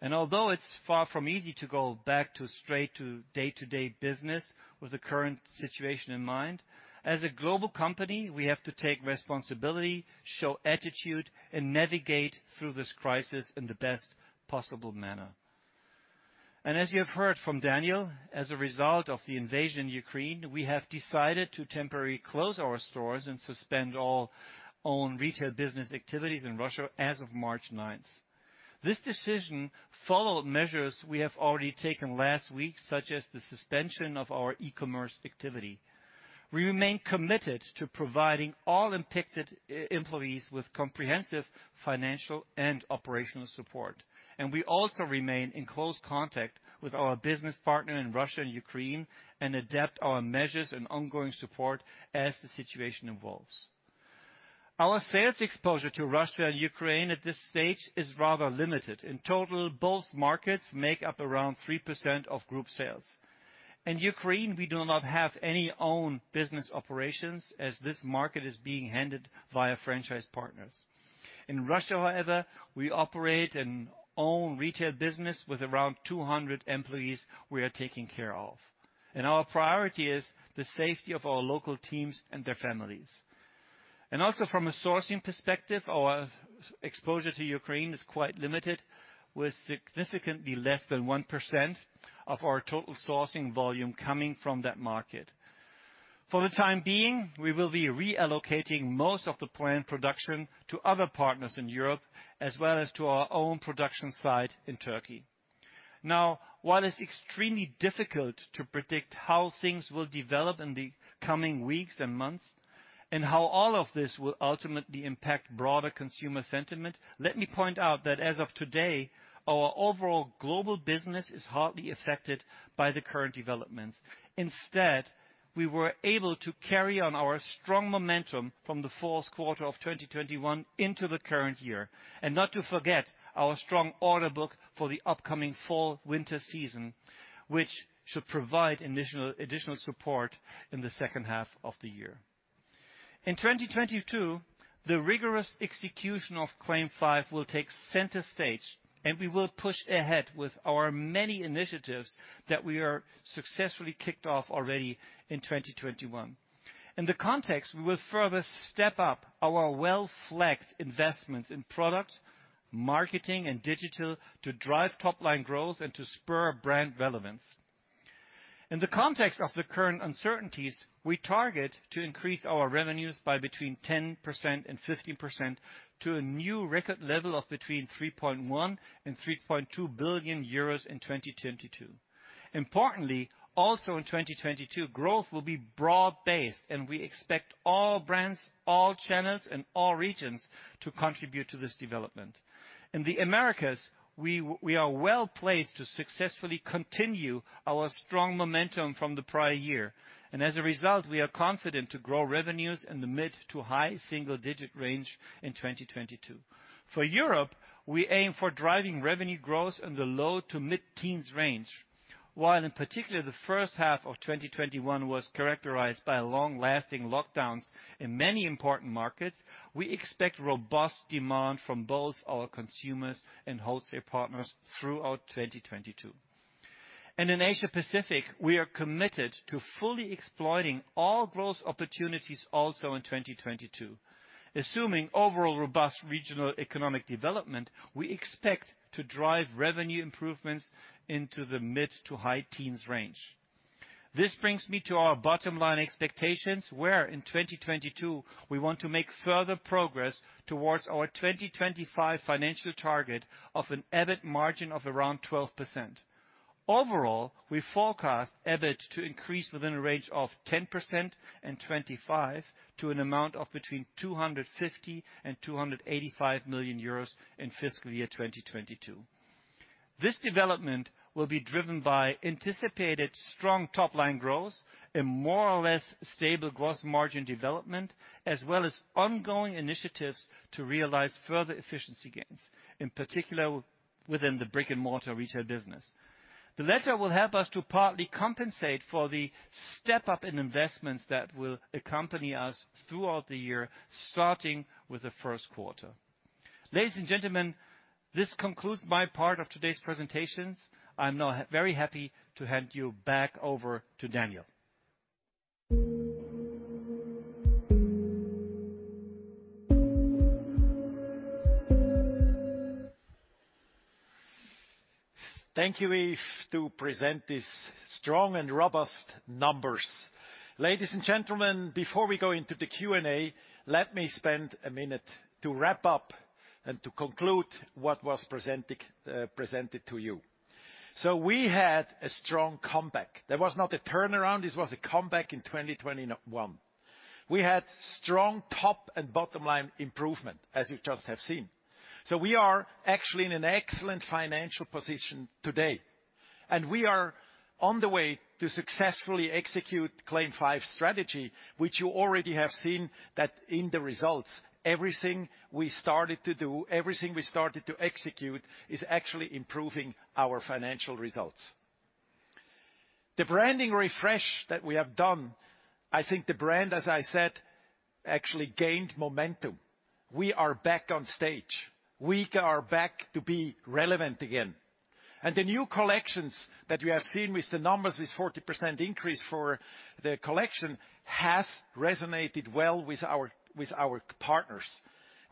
D: Although it's far from easy to go straight back to day-to-day business with the current situation in mind, as a global company, we have to take responsibility, show attitude, and navigate through this crisis in the best possible manner. As you have heard from Daniel, as a result of the invasion in Ukraine, we have decided to temporarily close our stores and suspend all own retail business activities in Russia as of March 9. This decision followed measures we have already taken last week, such as the suspension of our e-commerce activity. We remain committed to providing all impacted employees with comprehensive financial and operational support. We also remain in close contact with our business partner in Russia and Ukraine and adapt our measures and ongoing support as the situation evolves. Our sales exposure to Russia and Ukraine at this stage is rather limited. In total, both markets make up around 3% of group sales. In Ukraine, we do not have any own business operations as this market is being handled via franchise partners. In Russia, however, we operate an own retail business with around 200 employees we are taking care of. Our priority is the safety of our local teams and their families. Also from a sourcing perspective, our exposure to Ukraine is quite limited, with significantly less than 1% of our total sourcing volume coming from that market. For the time being, we will be reallocating most of the planned production to other partners in Europe, as well as to our own production site in Turkey. Now, while it's extremely difficult to predict how things will develop in the coming weeks and months, and how all of this will ultimately impact broader consumer sentiment, let me point out that as of today, our overall global business is hardly affected by the current developments. Instead, we were able to carry on our strong momentum from the fourth quarter of 2021 into the current year. Not to forget, our strong order book for the upcoming fall/winter season, which should provide additional support in the second half of the year. In 2022, the rigorous execution of CLAIM 5 will take center stage, and we will push ahead with our many initiatives that we are successfully kicked off already in 2021. In the context, we will further step up our well-flagged investments in product, marketing, and digital to drive top-line growth and to spur brand relevance. In the context of the current uncertainties, we target to increase our revenues by between 10% and 15% to a new record level of between 3.1 billion and 3.2 billion euros in 2022. Importantly, also in 2022, growth will be broad-based, and we expect all brands, all channels, and all regions to contribute to this development. In the Americas, we are well-placed to successfully continue our strong momentum from the prior year, and as a result, we are confident to grow revenues in the mid-to-high single-digit range in 2022. For Europe, we aim for driving revenue growth in the low-to-mid teens range. While in particular, the first half of 2021 was characterized by long-lasting lockdowns in many important markets, we expect robust demand from both our consumers and wholesale partners throughout 2022. In Asia Pacific, we are committed to fully exploiting all growth opportunities also in 2022. Assuming overall robust regional economic development, we expect to drive revenue improvements into the mid-to-high teens range. This brings me to our bottom line expectations, where in 2022 we want to make further progress towards our 2025 financial target of an EBIT margin of around 12%. Overall, we forecast EBIT to increase within a range of 10%-25% to an amount of between 250 million and 285 million euros in fiscal year 2022. This development will be driven by anticipated strong top-line growth and more or less stable gross margin development, as well as ongoing initiatives to realize further efficiency gains, in particular within the brick-and-mortar retail business. The latter will help us to partly compensate for the step-up in investments that will accompany us throughout the year, starting with the first quarter. Ladies and gentlemen, this concludes my part of today's presentations. I'm now very happy to hand you back over to Daniel.
C: Thank you, Yves, to present these strong and robust numbers. Ladies and gentlemen, before we go into the Q&A, let me spend a minute to wrap up and to conclude what was presented to you. We had a strong comeback. There was not a turnaround, this was a comeback in 2021. We had strong top and bottom line improvement, as you just have seen. We are actually in an excellent financial position today. We are on the way to successfully execute CLAIM 5 strategy, which you already have seen that in the results. Everything we started to do, everything we started to execute, is actually improving our financial results. The branding refresh that we have done, I think the brand, as I said, actually gained momentum. We are back on stage. We are back to be relevant again. The new collections that we have seen with the numbers, with 40% increase for the collection, has resonated well with our partners.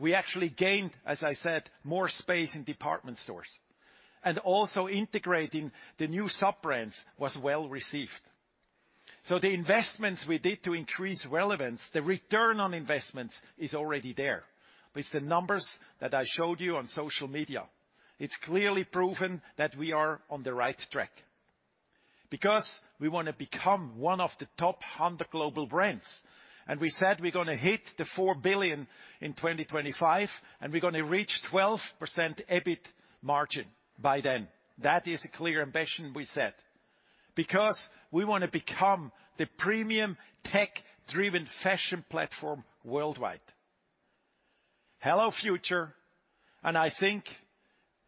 C: We actually gained, as I said, more space in department stores. Also integrating the new sub-brands was well-received. The investments we did to increase relevance, the return on investments is already there. With the numbers that I showed you on social media, it's clearly proven that we are on the right track. Because we wanna become one of the top 100 global brands. We said we're gonna hit the 4 billion in 2025, and we're gonna reach 12% EBIT margin by then. That is a clear ambition we set. Because we wanna become the premium tech-driven fashion platform worldwide. Hello, future. I think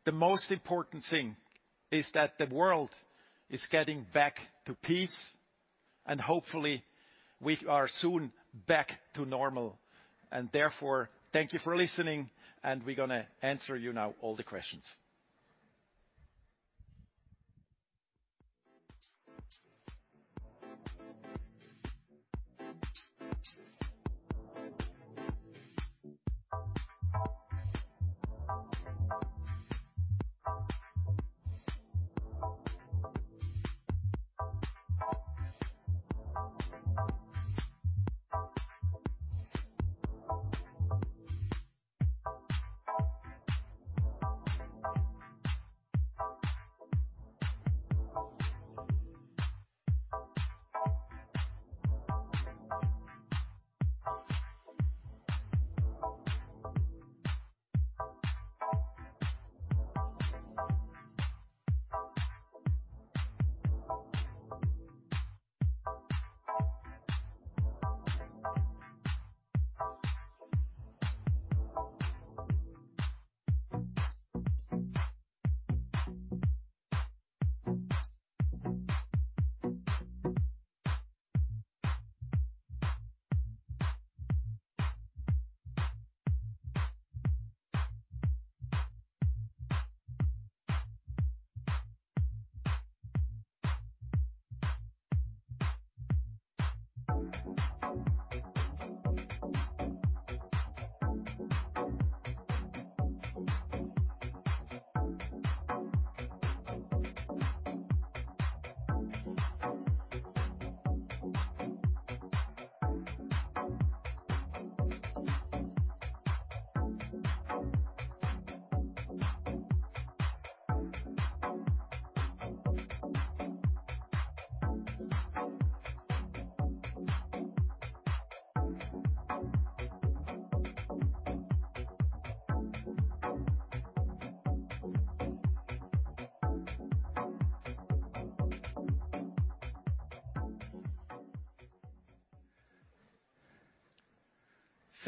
C: the most important thing is that the world is getting back to peace, and hopefully we are soon back to normal. Therefore, thank you for listening, and we're gonna answer you now all the questions.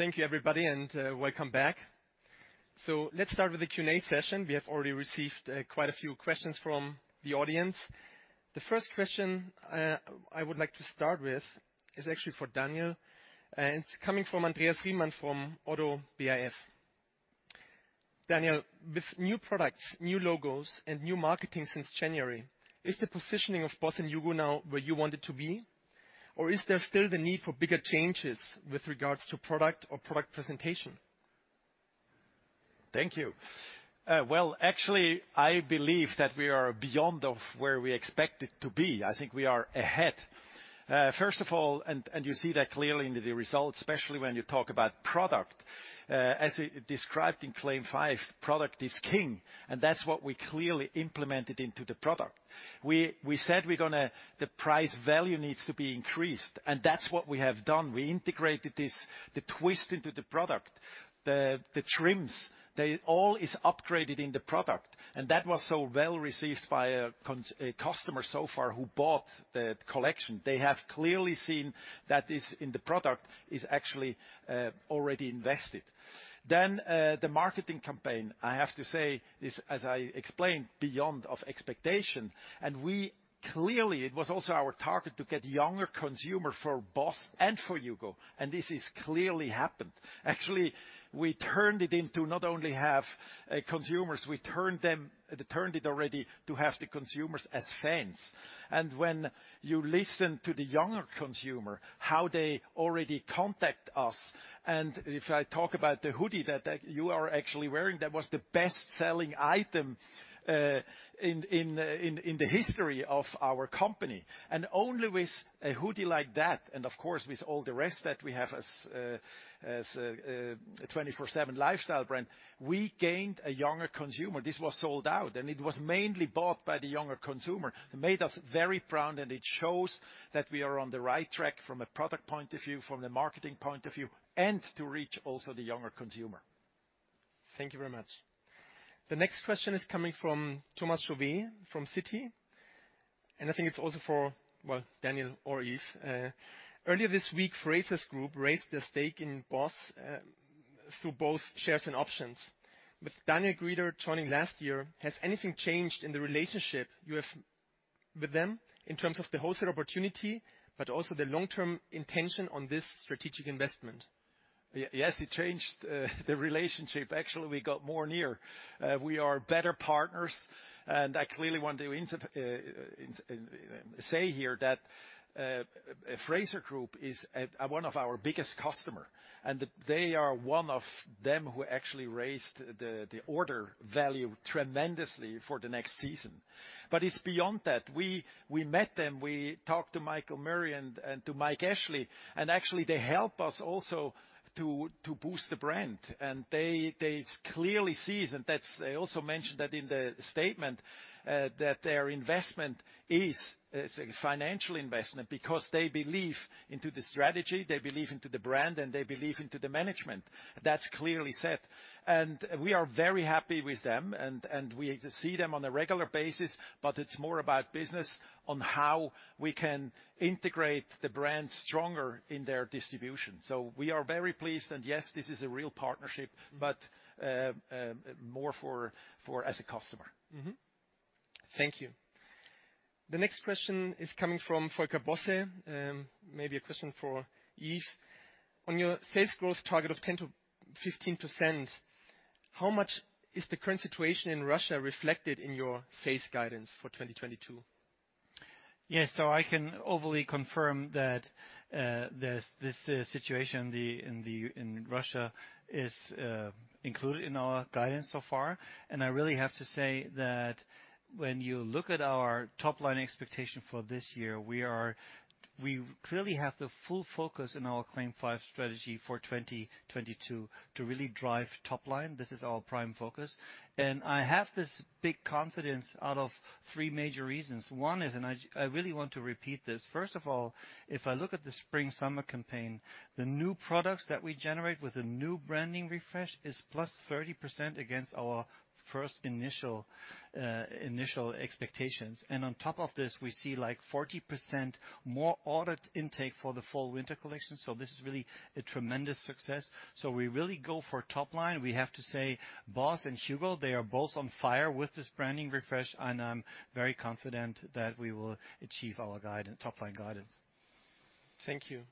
A: Thank you everybody, and welcome back. Let's start with the Q&A session. We have already received quite a few questions from the audience. The first question I would like to start with is actually for Daniel, and it's coming from Andreas Riemann from ODDO BHF. Daniel, with new products, new logos, and new marketing since January, is the positioning of BOSS and HUGO now where you want it to be? Or is there still the need for bigger changes with regards to product or product presentation?
C: Thank you. Well, actually, I believe that we are beyond where we expected to be. I think we are ahead. First of all, you see that clearly in the results, especially when you talk about product. As described in CLAIM 5, product is king, and that's what we clearly implemented into the product. We said the price value needs to be increased, and that's what we have done. We integrated this, the twist into the product. The trims, they all is upgraded in the product, and that was so well received by a customer so far who bought the collection. They have clearly seen that is in the product actually already invested. The marketing campaign, I have to say, is, as I explained, beyond expectation, and we- Clearly, it was also our target to get younger consumer for BOSS and for HUGO, and this is clearly happened. Actually, we turned it into not only have consumers, we turned it already to have the consumers as fans. When you listen to the younger consumer, how they already contact us, and if I talk about the hoodie that you are actually wearing, that was the best-selling item in the history of our company. Only with a hoodie like that and, of course, with all the rest that we have as a 24/7 lifestyle brand, we gained a younger consumer. This was sold out, and it was mainly bought by the younger consumer. It made us very proud, and it shows that we are on the right track from a product point of view, from the marketing point of view, and to reach also the younger consumer.
A: Thank you very much. The next question is coming from Thomas Chauvet from Citi, and I think it's also for, well, Daniel or Yves. Earlier this week, Frasers Group raised their stake in HUGO BOSS, through both shares and options. With Daniel Grieder joining last year, has anything changed in the relationship you have with them in terms of the wholesale opportunity, but also the long-term intention on this strategic investment?
C: Yes, it changed the relationship. Actually, we got more near. We are better partners, and I clearly want to say here that Frasers Group is one of our biggest customer, and they are one of them who actually raised the order value tremendously for the next season. It's beyond that. We met them, we talked to Michael Murray and to Mike Ashley, and actually, they help us also to boost the brand. They clearly see, and that's what they also mentioned in the statement that their investment is a financial investment because they believe in the strategy, they believe in the brand, and they believe in the management. That's clearly said. We are very happy with them and we see them on a regular basis, but it's more about business on how we can integrate the brand stronger in their distribution. We are very pleased, and yes, this is a real partnership, but more for as a customer.
A: Thank you. The next question is coming from Volker Bosse. Maybe a question for Yves. On your sales growth target of 10%-15%, how much is the current situation in Russia reflected in your sales guidance for 2022?
D: Yes, I can only confirm that this situation in Russia is included in our guidance so far. I really have to say that when you look at our top line expectation for this year, we clearly have the full focus in our CLAIM 5 strategy for 2022 to really drive top line. This is our prime focus. I have this big confidence out of three major reasons. One is, I really want to repeat this. First of all, if I look at the spring/summer campaign, the new products that we generate with the new branding refresh is +30% against our first initial expectations. On top of this, we see, like, 40% more order intake for the fall/winter collection. This is really a tremendous success. We really go for top line. We have to say BOSS and HUGO, they are both on fire with this branding refresh. I'm very confident that we will achieve our top line guidance.
A: Thank you.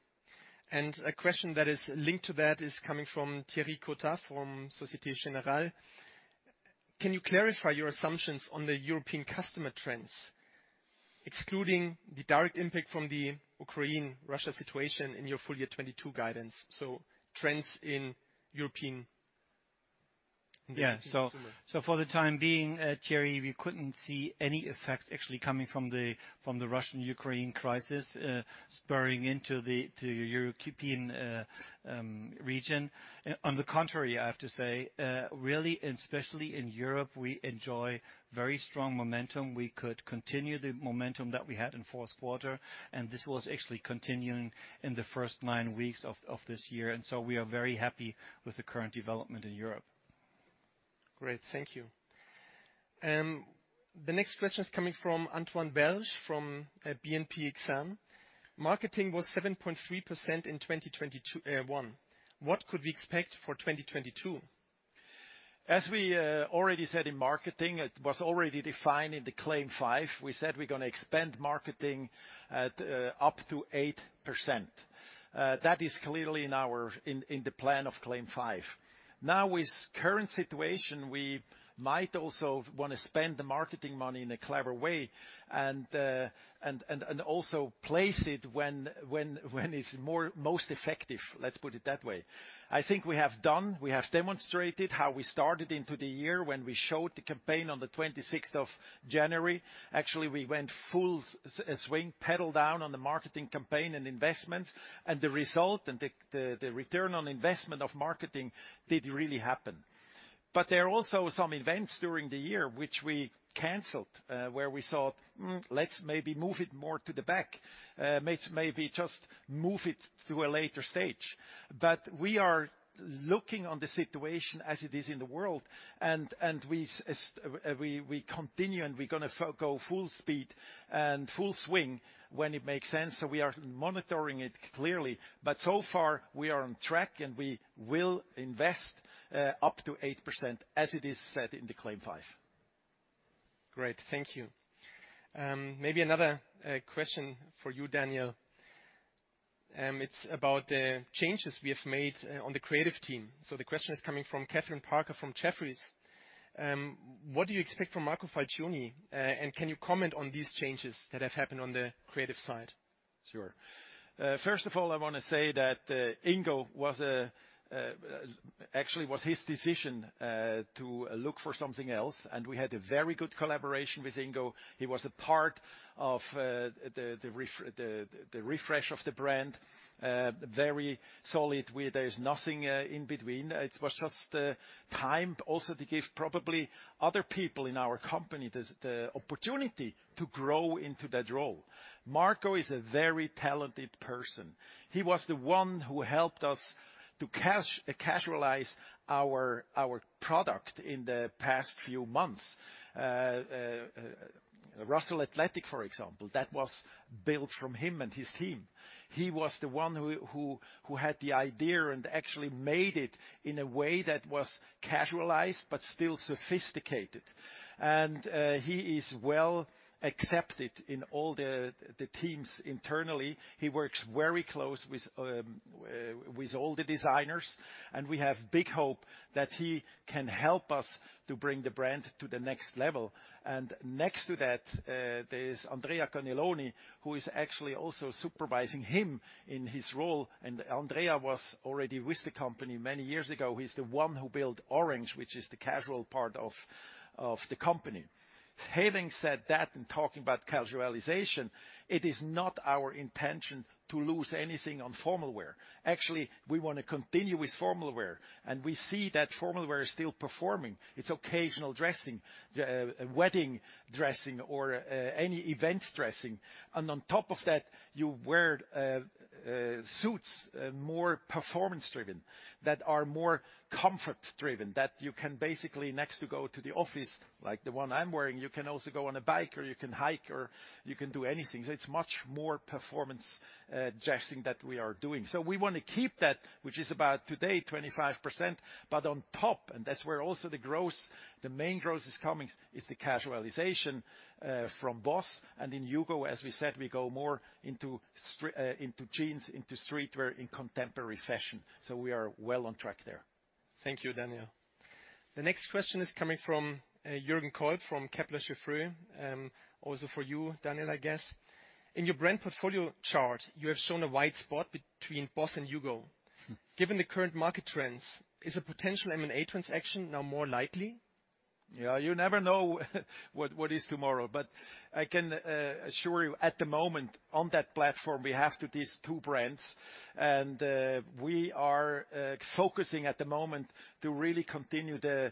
A: A question that is linked to that is coming from Thierry Cotta from Société Générale. Can you clarify your assumptions on the European customer trends, excluding the direct impact from the Ukraine-Russia situation in your full year 2022 guidance? So trends in European- consumer.
D: Yeah. For the time being, Thierry, we couldn't see any effect actually coming from the Russia-Ukraine crisis spurring into the European region. On the contrary, I have to say, really and especially in Europe, we enjoy very strong momentum. We could continue the momentum that we had in fourth quarter, and this was actually continuing in the first nine weeks of this year. We are very happy with the current development in Europe.
A: Great, thank you. The next question is coming from Antoine Belge from BNP Paribas Exane. Marketing was 7.3% in 2021. What could we expect for 2022?
C: As we already said in marketing, it was already defined in the CLAIM 5. We said we're gonna expand marketing at up to 8%. That is clearly in the plan of CLAIM 5. Now, with current situation, we might also wanna spend the marketing money in a clever way and also place it when it's most effective. Let's put it that way. I think we have demonstrated how we started into the year when we showed the campaign on the 26th of January. Actually, we went full swing, pedal down on the marketing campaign and investments, and the result and the return on investment of marketing did really happen. There are also some events during the year which we canceled, where we thought, let's maybe move it more to the back, maybe just move it to a later stage. We are looking on the situation as it is in the world and we continue, and we're gonna go full speed and full swing when it makes sense. We are monitoring it clearly. So far we are on track, and we will invest up to 8%, as it is said in the CLAIM 5.
A: Great, thank you. Maybe another question for you, Daniel. It's about the changes we have made on the creative team. The question is coming from Kathryn Parker from Jefferies. What do you expect from Marco Falcioni, and can you comment on these changes that have happened on the creative side?
C: Sure. First of all, I wanna say that Ingo actually was his decision to look for something else, and we had a very good collaboration with Ingo. He was a part of the refresh of the brand, very solid. There is nothing in between. It was just time also to give probably other people in our company the opportunity to grow into that role. Marco is a very talented person. He was the one who helped us to casualize our product in the past few months. Russell Athletic, for example, that was built from him and his team. He was the one who had the idea and actually made it in a way that was casualized but still sophisticated. He is well accepted in all the teams internally. He works very close with all the designers, and we have big hope that he can help us to bring the brand to the next level. Next to that, there's Andrea Cannelloni, who is actually also supervising him in his role, and Andrea was already with the company many years ago. He's the one who built Orange, which is the casual part of the company. Having said that and talking about casualization, it is not our intention to lose anything on formal wear. Actually, we wanna continue with formal wear, and we see that formal wear is still performing. It's occasional dressing, wedding dressing or any event dressing. On top of that, you wear suits more performance driven that are more comfort driven that you can basically next to go to the office, like the one I'm wearing. You can also go on a bike or you can hike or you can do anything. It's much more performance dressing that we are doing. We wanna keep that, which is about today 25%. But on top, and that's where also the growth, the main growth is coming, is the casualization from BOSS. In HUGO, as we said, we go more into jeans, into streetwear, in contemporary fashion. We are well on track there.
A: Thank you, Daniel. The next question is coming from Jürgen Kolb from Kepler Cheuvreux. Also for you, Daniel, I guess. In your brand portfolio chart, you have shown a wide gap between BOSS and HUGO. Given the current market trends, is a potential M&A transaction now more likely?
C: Yeah, you never know what is tomorrow. I can assure you at the moment, on that platform, we have these two brands. We are focusing at the moment to really continue the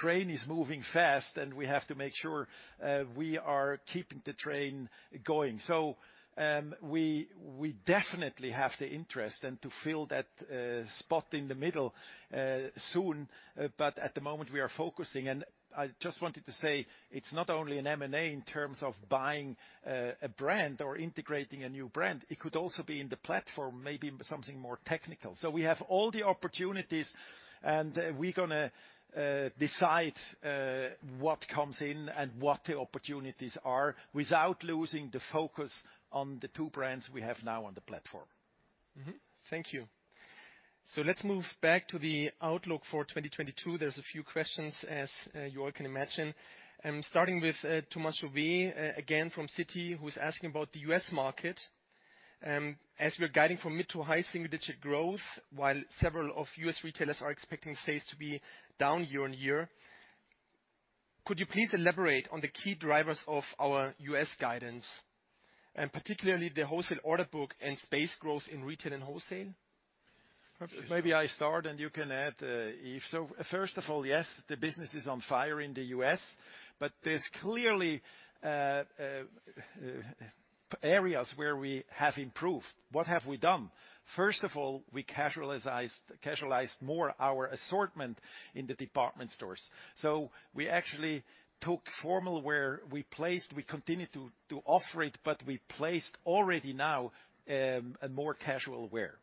C: train is moving fast, and we have to make sure we are keeping the train going. We definitely have the interest and to fill that spot in the middle soon. At the moment, we are focusing. I just wanted to say, it's not only an M&A in terms of buying a brand or integrating a new brand, it could also be in the platform, maybe something more technical. We have all the opportunities, and we're gonna decide what comes in and what the opportunities are without losing the focus on the two brands we have now on the platform.
A: Thank you. Let's move back to the outlook for 2022. There's a few questions, as you all can imagine. Starting with Thomas Chauvet again from Citi, who is asking about the U.S. market. As we are guiding for mid- to high-single-digit growth, while several U.S. retailers are expecting sales to be down year-over-year, could you please elaborate on the key drivers of our U.S. guidance, and particularly the wholesale order book and space growth in retail and wholesale?
C: Perhaps maybe I start, and you can add, Yves. First of all, yes, the business is on fire in the U.S., but there's clearly areas where we have improved. What have we done? First of all, we casualized more our assortment in the department stores. We actually took formal wear, we placed, we continued to offer it, but we placed already now a more casual wear.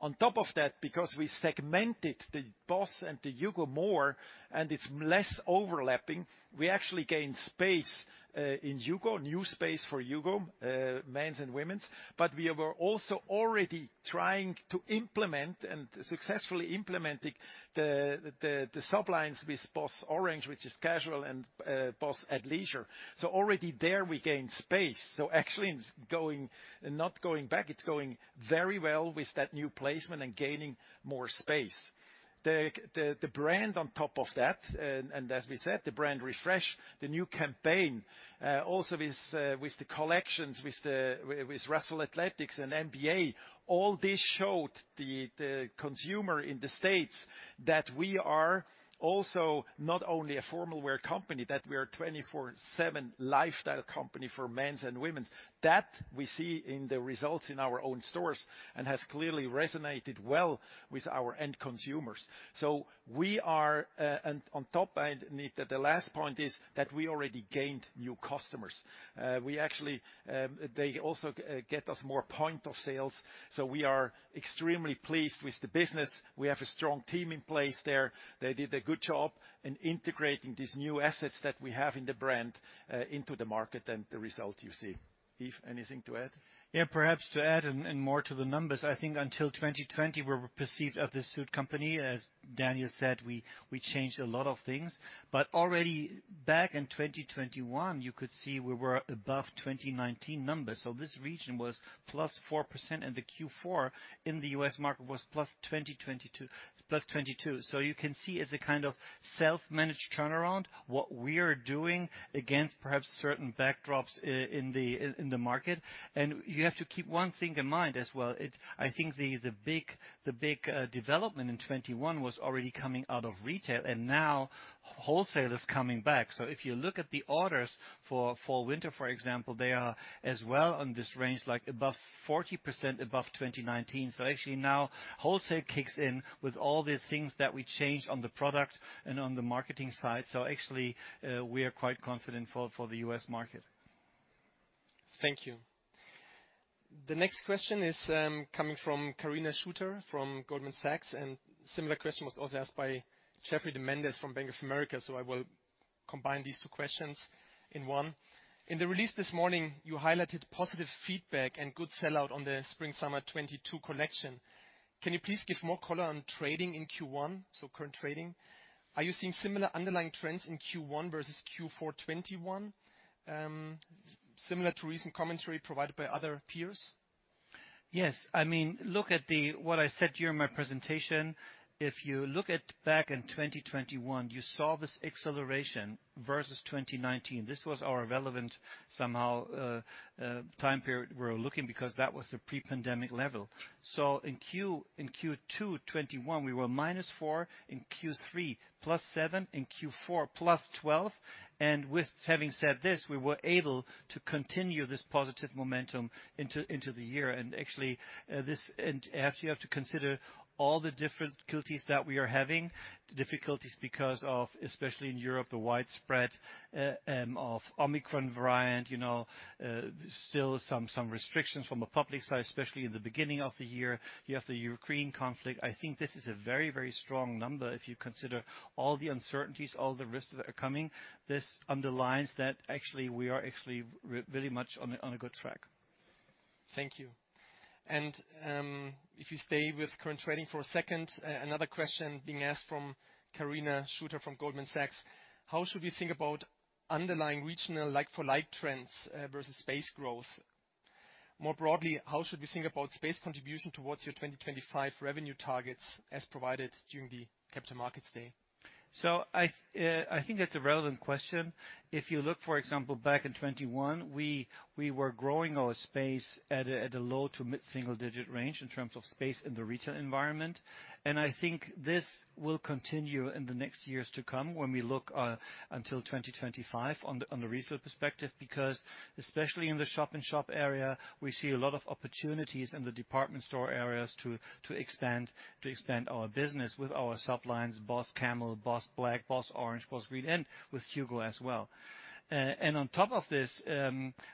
C: On top of that, because we segmented the BOSS and the HUGO more, and it's less overlapping, we actually gained space in HUGO, new space for HUGO men's and women's. We are also already trying to implement and successfully implementing the sub-lines with BOSS Orange, which is casual, and BOSS Athleisure. Already there we gained space. Actually it's going, not going back, it's going very well with that new placement and gaining more space. The brand on top of that, and as we said, the brand refresh, the new campaign, also with the collections with Russell Athletic and NBA, all this showed the consumer in the States that we are also not only a formal wear company, that we are 24/7 lifestyle company for men's and women's. That we see in the results in our own stores and has clearly resonated well with our end consumers. We are, and on top, the last point is that we already gained new customers. We actually, they also get us more points of sale, so we are extremely pleased with the business. We have a strong team in place there. They did a good job in integrating these new assets that we have in the brand, into the market and the result you see. Yves, anything to add?
D: Perhaps to add and more to the numbers, I think until 2020, we were perceived as a suit company. As Daniel said, we changed a lot of things. Already back in 2021, you could see we were above 2019 numbers. This region was +4%, and the Q4 in the U.S. market was +22%. You can see it's a kind of self-managed turnaround, what we are doing against perhaps certain backdrops in the market. You have to keep one thing in mind as well. I think the big development in 2021 was already coming out of retail, and now wholesale is coming back. If you look at the orders for fall/winter, for example, they are as well on this range, like above 40% above 2019. Actually now wholesale kicks in with all the things that we changed on the product and on the marketing side. Actually, we are quite confident for the U.S. market.
A: Thank you. The next question is coming from Carina Schuster from Goldman Sachs, and similar question was also asked by Geoffrey Mendes from Bank of America, so I will combine these two questions in one. In the release this morning, you highlighted positive feedback and good sell-out on the spring/summer 2022 collection. Can you please give more color on trading in Q1, so current trading? Are you seeing similar underlying trends in Q1 versus Q4 2021, similar to recent commentary provided by other peers?
D: Yes. I mean, look at what I said here in my presentation. If you look back in 2021, you saw this acceleration versus 2019. This was our relevant time period we're looking at because that was the pre-pandemic level. In Q2 2021, we were -4%, in Q3 +7%, in Q4 +12%. With having said this, we were able to continue this positive momentum into the year. Actually, you have to consider all the difficulties that we are having, difficulties because of, especially in Europe, the widespread of Omicron variant, you know, still some restrictions from a public side, especially in the beginning of the year. You have the Ukraine conflict. I think this is a very, very strong number if you consider all the uncertainties, all the risks that are coming. This underlines that actually we are actually really much on a good track.
A: Thank you. If you stay with current trading for a second, another question being asked from Carina Schuster from Goldman Sachs. How should we think about underlying regional like-for-like trends versus space growth? More broadly, how should we think about space contribution towards your 2025 revenue targets as provided during the Capital Markets Day?
D: I think that's a relevant question. If you look, for example, back in 2021, we were growing our space at a low- to mid-single-digit range in terms of space in the retail environment. I think this will continue in the next years to come when we look until 2025 on the retail perspective, because especially in the shop-in-shop area, we see a lot of opportunities in the department store areas to expand our business with our sub lines, BOSS Camel, BOSS Black, BOSS Orange, BOSS Green, and with HUGO as well. On top of this,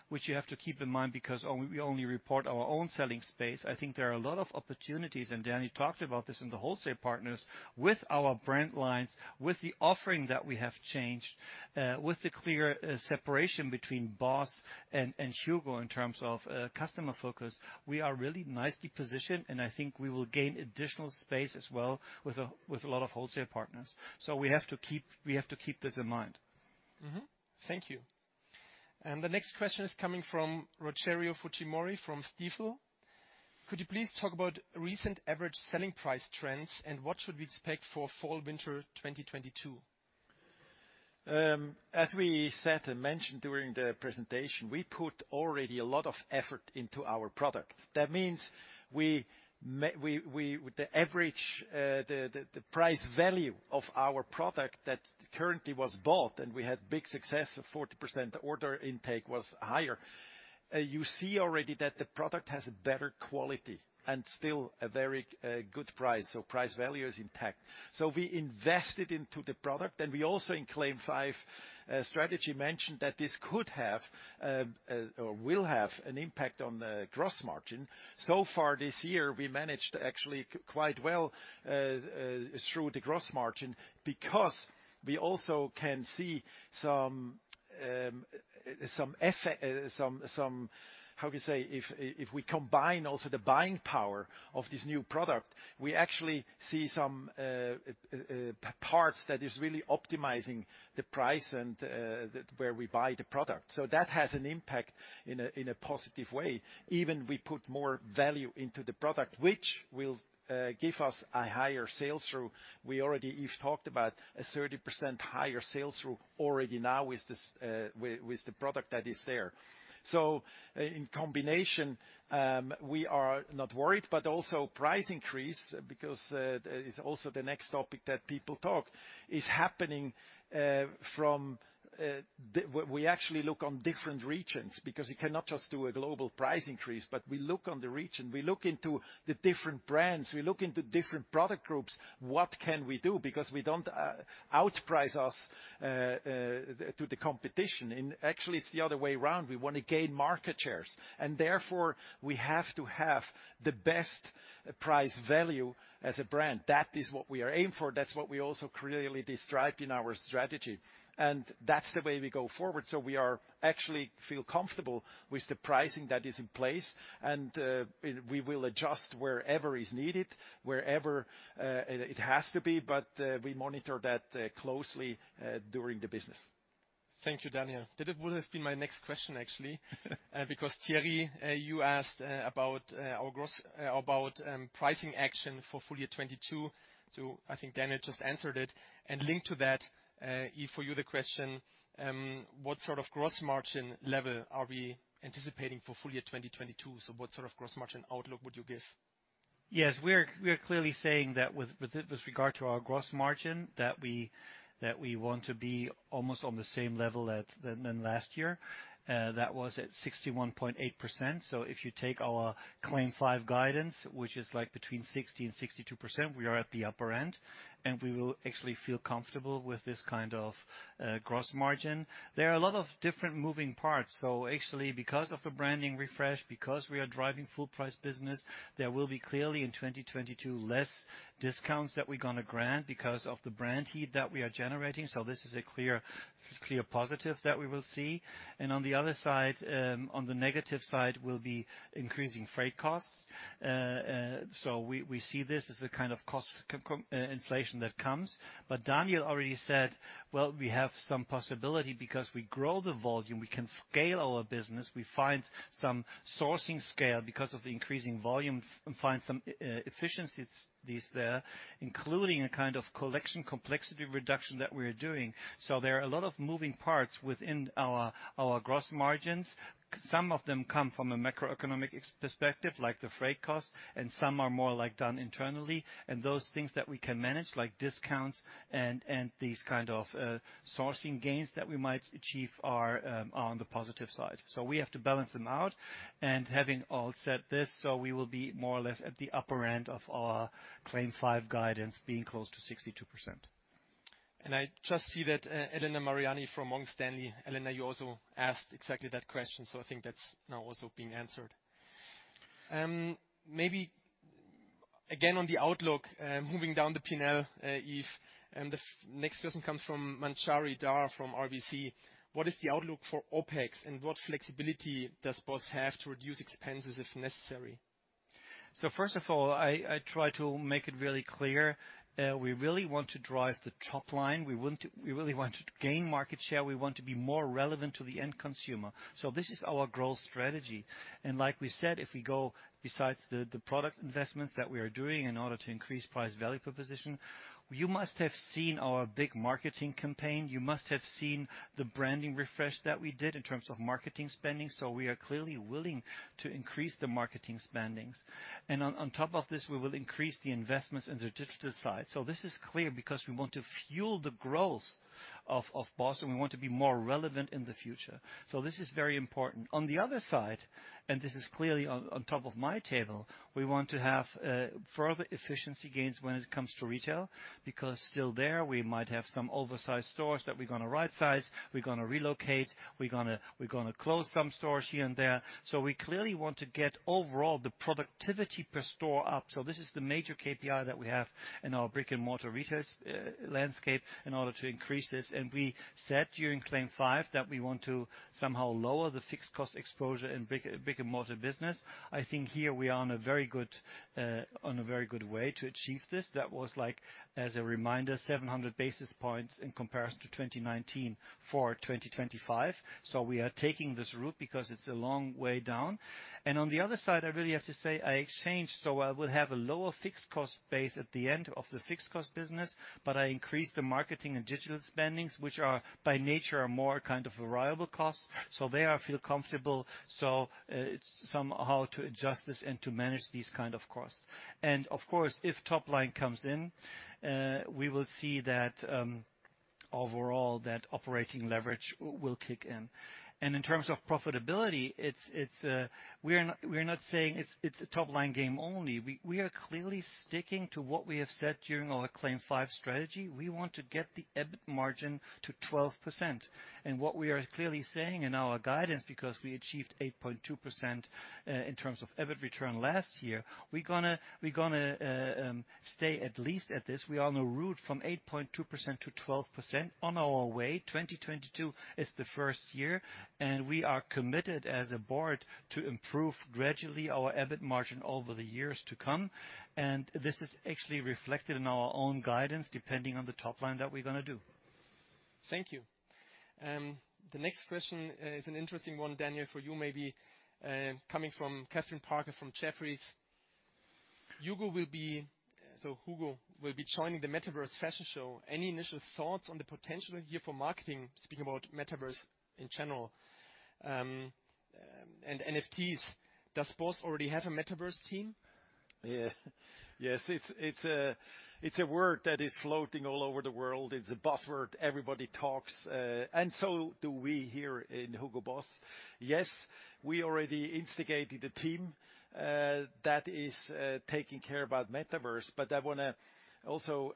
D: which you have to keep in mind because we only report our own selling space, I think there are a lot of opportunities, and Danny talked about this in the wholesale partners, with our brand lines, with the offering that we have changed, with the clear separation between BOSS and HUGO in terms of customer focus. We are really nicely positioned, and I think we will gain additional space as well with a lot of wholesale partners. We have to keep this in mind.
A: Thank you. The next question is coming from Rogerio Fujimori from Stifel. Could you please talk about recent average selling price trends, and what should we expect for fall/winter 2022?
C: As we said and mentioned during the presentation, we put already a lot of effort into our product. That means, with the average price value of our product that currently was bought, and we had big success of 40% order intake was higher. You see already that the product has a better quality and still a very good price. Price value is intact. We invested into the product, and we also in CLAIM 5 strategy mentioned that this could have or will have an impact on the gross margin. So far this year, we managed actually quite well through the gross margin because we also can see some if we combine also the buying power of this new product, we actually see some parts that is really optimizing the price and where we buy the product. That has an impact in a positive way. Even we put more value into the product, which will give us a higher sales through. We already Yves talked about a 30% higher sales through already now with the product that is there. In combination, we are not worried, but also price increase because it's also the next topic that people talk about is happening from. We actually look at different regions because you cannot just do a global price increase, but we look at the region, we look into the different brands, we look into different product groups. What can we do? Because we don't outprice ourselves to the competition. Actually it's the other way around. We wanna gain market shares, and therefore we have to have the best price value as a brand. That is what we are aimed for. That's what we also clearly described in our strategy, and that's the way we go forward. We actually feel comfortable with the pricing that is in place and we will adjust wherever is needed, wherever it has to be. We monitor that closely during the business.
A: Thank you, Daniel. That would've been my next question actually. Because Thierry, you asked about pricing action for full year 2022, so I think Daniel just answered it. Linked to that, Yves, for you the question, what sort of gross margin level are we anticipating for full year 2022? What sort of gross margin outlook would you give?
D: Yes, we are clearly saying that with regard to our gross margin, that we want to be almost on the same level as than last year. That was at 61.8%. If you take our CLAIM 5 guidance, which is like between 60% and 62%, we are at the upper end, and we will actually feel comfortable with this kind of gross margin. There are a lot of different moving parts. Actually because of the branding refresh, because we are driving full price business, there will be clearly in 2022 less discounts that we're gonna grant because of the brand heat that we are generating. This is a clear positive that we will see. On the other side, on the negative side will be increasing freight costs. We see this as a kind of cost component inflation that comes. Daniel already said, well, we have some possibility because we grow the volume, we can scale our business, we find some sourcing scale because of the increasing volume, find some efficiencies there, including a kind of collection complexity reduction that we're doing. There are a lot of moving parts within our gross margins. Some of them come from a macroeconomic external perspective, like the freight costs, and some are more like done internally. Those things that we can manage, like discounts and these kind of sourcing gains that we might achieve are on the positive side. We have to balance them out. Having all said this, we will be more or less at the upper end of our CLAIM 5 guidance being close to 62%.
A: I just see that, Elena Mariani from Morgan Stanley. Elena, you also asked exactly that question. I think that's now also been answered. Again on the outlook, moving down the P&L, Yves, the next question comes from Manjari Dhar from RBC. What is the outlook for OpEx, and what flexibility does BOSS have to reduce expenses if necessary?
D: First of all, I try to make it really clear that we really want to drive the top line. We really want to gain market share. We want to be more relevant to the end consumer. This is our growth strategy. Like we said, if we go besides the product investments that we are doing in order to increase price value proposition, you must have seen our big marketing campaign. You must have seen the branding refresh that we did in terms of marketing spending. We are clearly willing to increase the marketing spendings. On top of this, we will increase the investments in the digital side. This is clear because we want to fuel the growth of BOSS, and we want to be more relevant in the future. This is very important. On the other side, this is clearly on top of my table. We want to have further efficiency gains when it comes to retail because still there we might have some oversized stores that we're gonna right-size. We're gonna relocate. We're gonna close some stores here and there. We clearly want to get overall the productivity per store up. This is the major KPI that we have in our brick-and-mortar retail landscape in order to increase this. We said during CLAIM 5 that we want to somehow lower the fixed cost exposure in brick-and-mortar business. I think here we are on a very good way to achieve this. That was like, as a reminder, 700 basis points in comparison to 2019 for 2025. We are taking this route because it's a long way down. On the other side, I really have to say I exchanged, so I will have a lower fixed cost base at the end of the fixed cost business, but I increased the marketing and digital spendings, which are by nature more kind of variable costs. There I feel comfortable, so it's somehow to adjust this and to manage these kind of costs. Of course, if top line comes in, we will see that overall that operating leverage will kick in. In terms of profitability, it's we're not saying it's a top-line game only. We are clearly sticking to what we have said during our CLAIM 5 strategy. We want to get the EBIT margin to 12%. What we are clearly saying in our guidance, because we achieved 8.2% in terms of EBIT return last year, we're gonna stay at least at this. We are on a route from 8.2% to 12% on our way. 2022 is the first year, and we are committed as a board to improve gradually our EBIT margin over the years to come. This is actually reflected in our own guidance depending on the top line that we're gonna do.
A: Thank you. The next question is an interesting one, Daniel, for you maybe, coming from Kathryn Parker from Jefferies. HUGO will be joining the Metaverse Fashion Show. Any initial thoughts on the potential here for marketing, speaking about Metaverse in general, and NFTs? Does BOSS already have a Metaverse team?
C: Yeah. Yes, it's a word that is floating all over the world. It's a buzzword everybody talks, and so do we here in HUGO BOSS. Yes, we already instigated a team that is taking care about Metaverse. I wanna also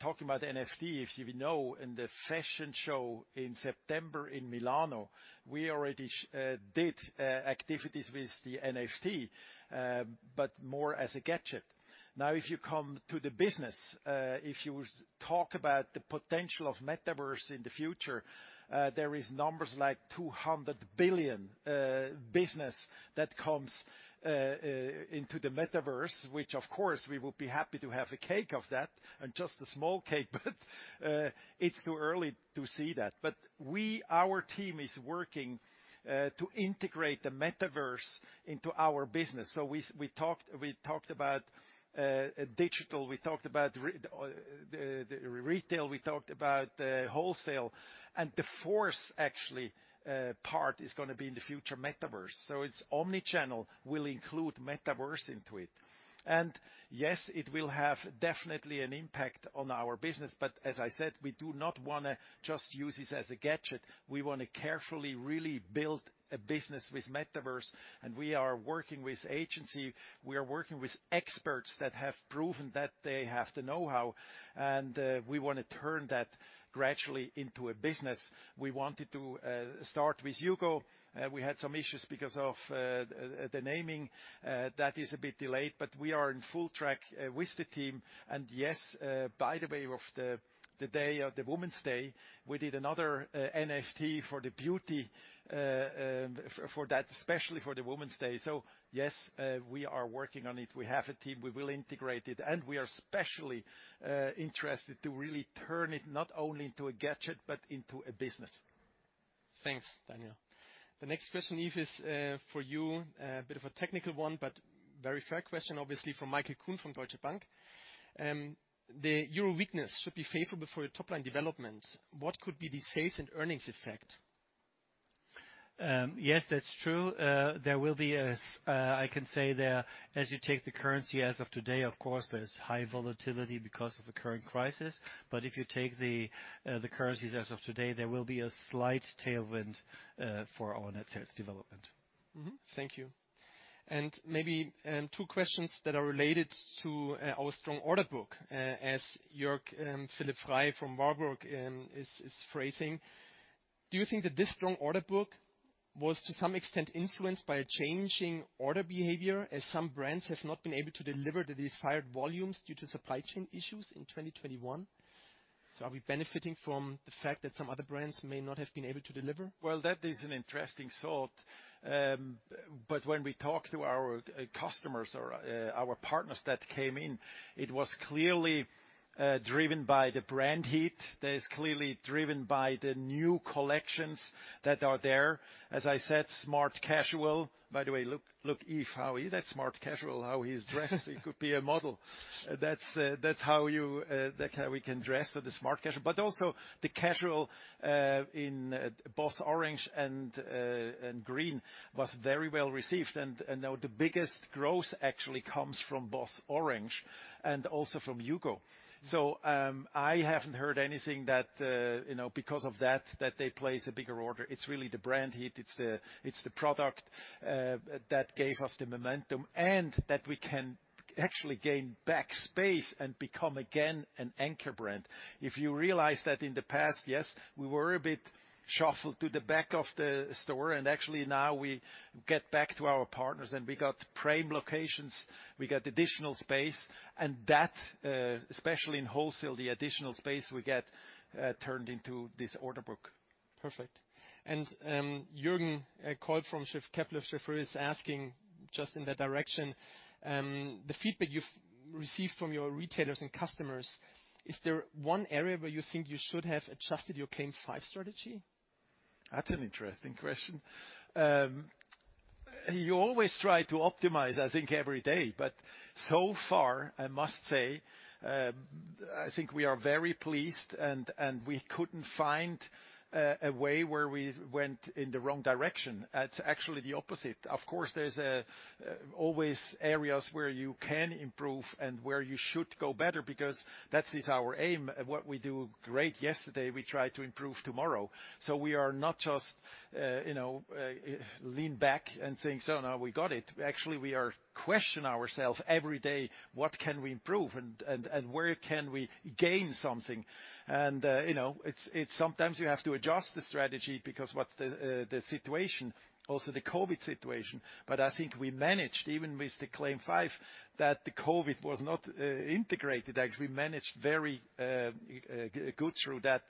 C: talk about NFT. If you know in the fashion show in September in Milano, we already did activities with the NFT, but more as a gadget. Now, if you come to the business, if you talk about the potential of Metaverse in the future, there is numbers like 200 billion business that comes into the Metaverse, which of course we would be happy to have a cake of that and just a small cake, but it's too early to see that. Our team is working to integrate the Metaverse into our business. We talked about digital, we talked about the retail, we talked about wholesale, and the fourth actually part is gonna be in the future Metaverse. Our omni-channel will include Metaverse into it. Yes, it will have definitely an impact on our business, but as I said, we do not wanna just use this as a gadget. We wanna carefully really build a business with Metaverse, and we are working with agency, we are working with experts that have proven that they have the know-how, and we wanna turn that gradually into a business. We wanted to start with HUGO. We had some issues because of the naming that is a bit delayed, but we are on track with the team. Yes, by the way, on the day of Women's Day, we did another NFT for the beauty for that, especially for Women's Day. Yes, we are working on it. We have a team, we will integrate it, and we are especially interested to really turn it not only into a gadget, but into a business.
A: Thanks, Daniel. The next question, Yves, is for you. A bit of a technical one, but very fair question, obviously from Michael Kuhn from Deutsche Bank. The euro weakness should be favorable for your top line development. What could be the sales and earnings effect?
D: Yes, that's true. I can say there, as you take the currency as of today, of course, there's high volatility because of the current crisis. If you take the currencies as of today, there will be a slight tailwind for our net sales development.
A: Mm-hmm. Thank you. Maybe two questions that are related to our strong order book, as Jörg Philipp Frey from Warburg Research is phrasing. Do you think that this strong order book was to some extent influenced by a changing order behavior as some brands have not been able to deliver the desired volumes due to supply chain issues in 2021? Are we benefiting from the fact that some other brands may not have been able to deliver?
C: Well, that is an interesting thought. But when we talk to our customers or our partners that came in, it was clearly driven by the brand heat. That is clearly driven by the new collections that are there. As I said, smart casual. By the way, look, Yves, how he's dressed. That's smart casual. He could be a model. That's how we can dress in smart casual. But also the casual in BOSS Orange and Green was very well received. Now the biggest growth actually comes from BOSS Orange and also from HUGO. I haven't heard anything you know, because of that they place a bigger order. It's really the brand heat. It's the product that gave us the momentum and that we can actually gain back space and become again an anchor brand. If you realize that in the past, yes, we were a bit shuffled to the back of the store, and actually now we get back to our partners and we got prime locations, we get additional space, and that, especially in wholesale, the additional space we get, turned into this order book.
A: Perfect. Jürgen, a call from Kepler Cheuvreux is asking just in that direction, the feedback you've received from your retailers and customers, is there one area where you think you should have adjusted your CLAIM 5 strategy?
C: That's an interesting question. You always try to optimize, I think, every day, but so far, I must say, I think we are very pleased and we couldn't find a way where we went in the wrong direction. It's actually the opposite. Of course, there's always areas where you can improve and where you should go better because that is our aim. What we do great yesterday, we try to improve tomorrow. We are not just, you know, lean back and saying, "So now we got it." Actually, we question ourselves every day, what can we improve and where can we gain something? You know, it's sometimes you have to adjust the strategy because what's the situation, also the COVID situation. I think we managed, even with the CLAIM 5, that the COVID was not integrated. Actually, we managed very good through that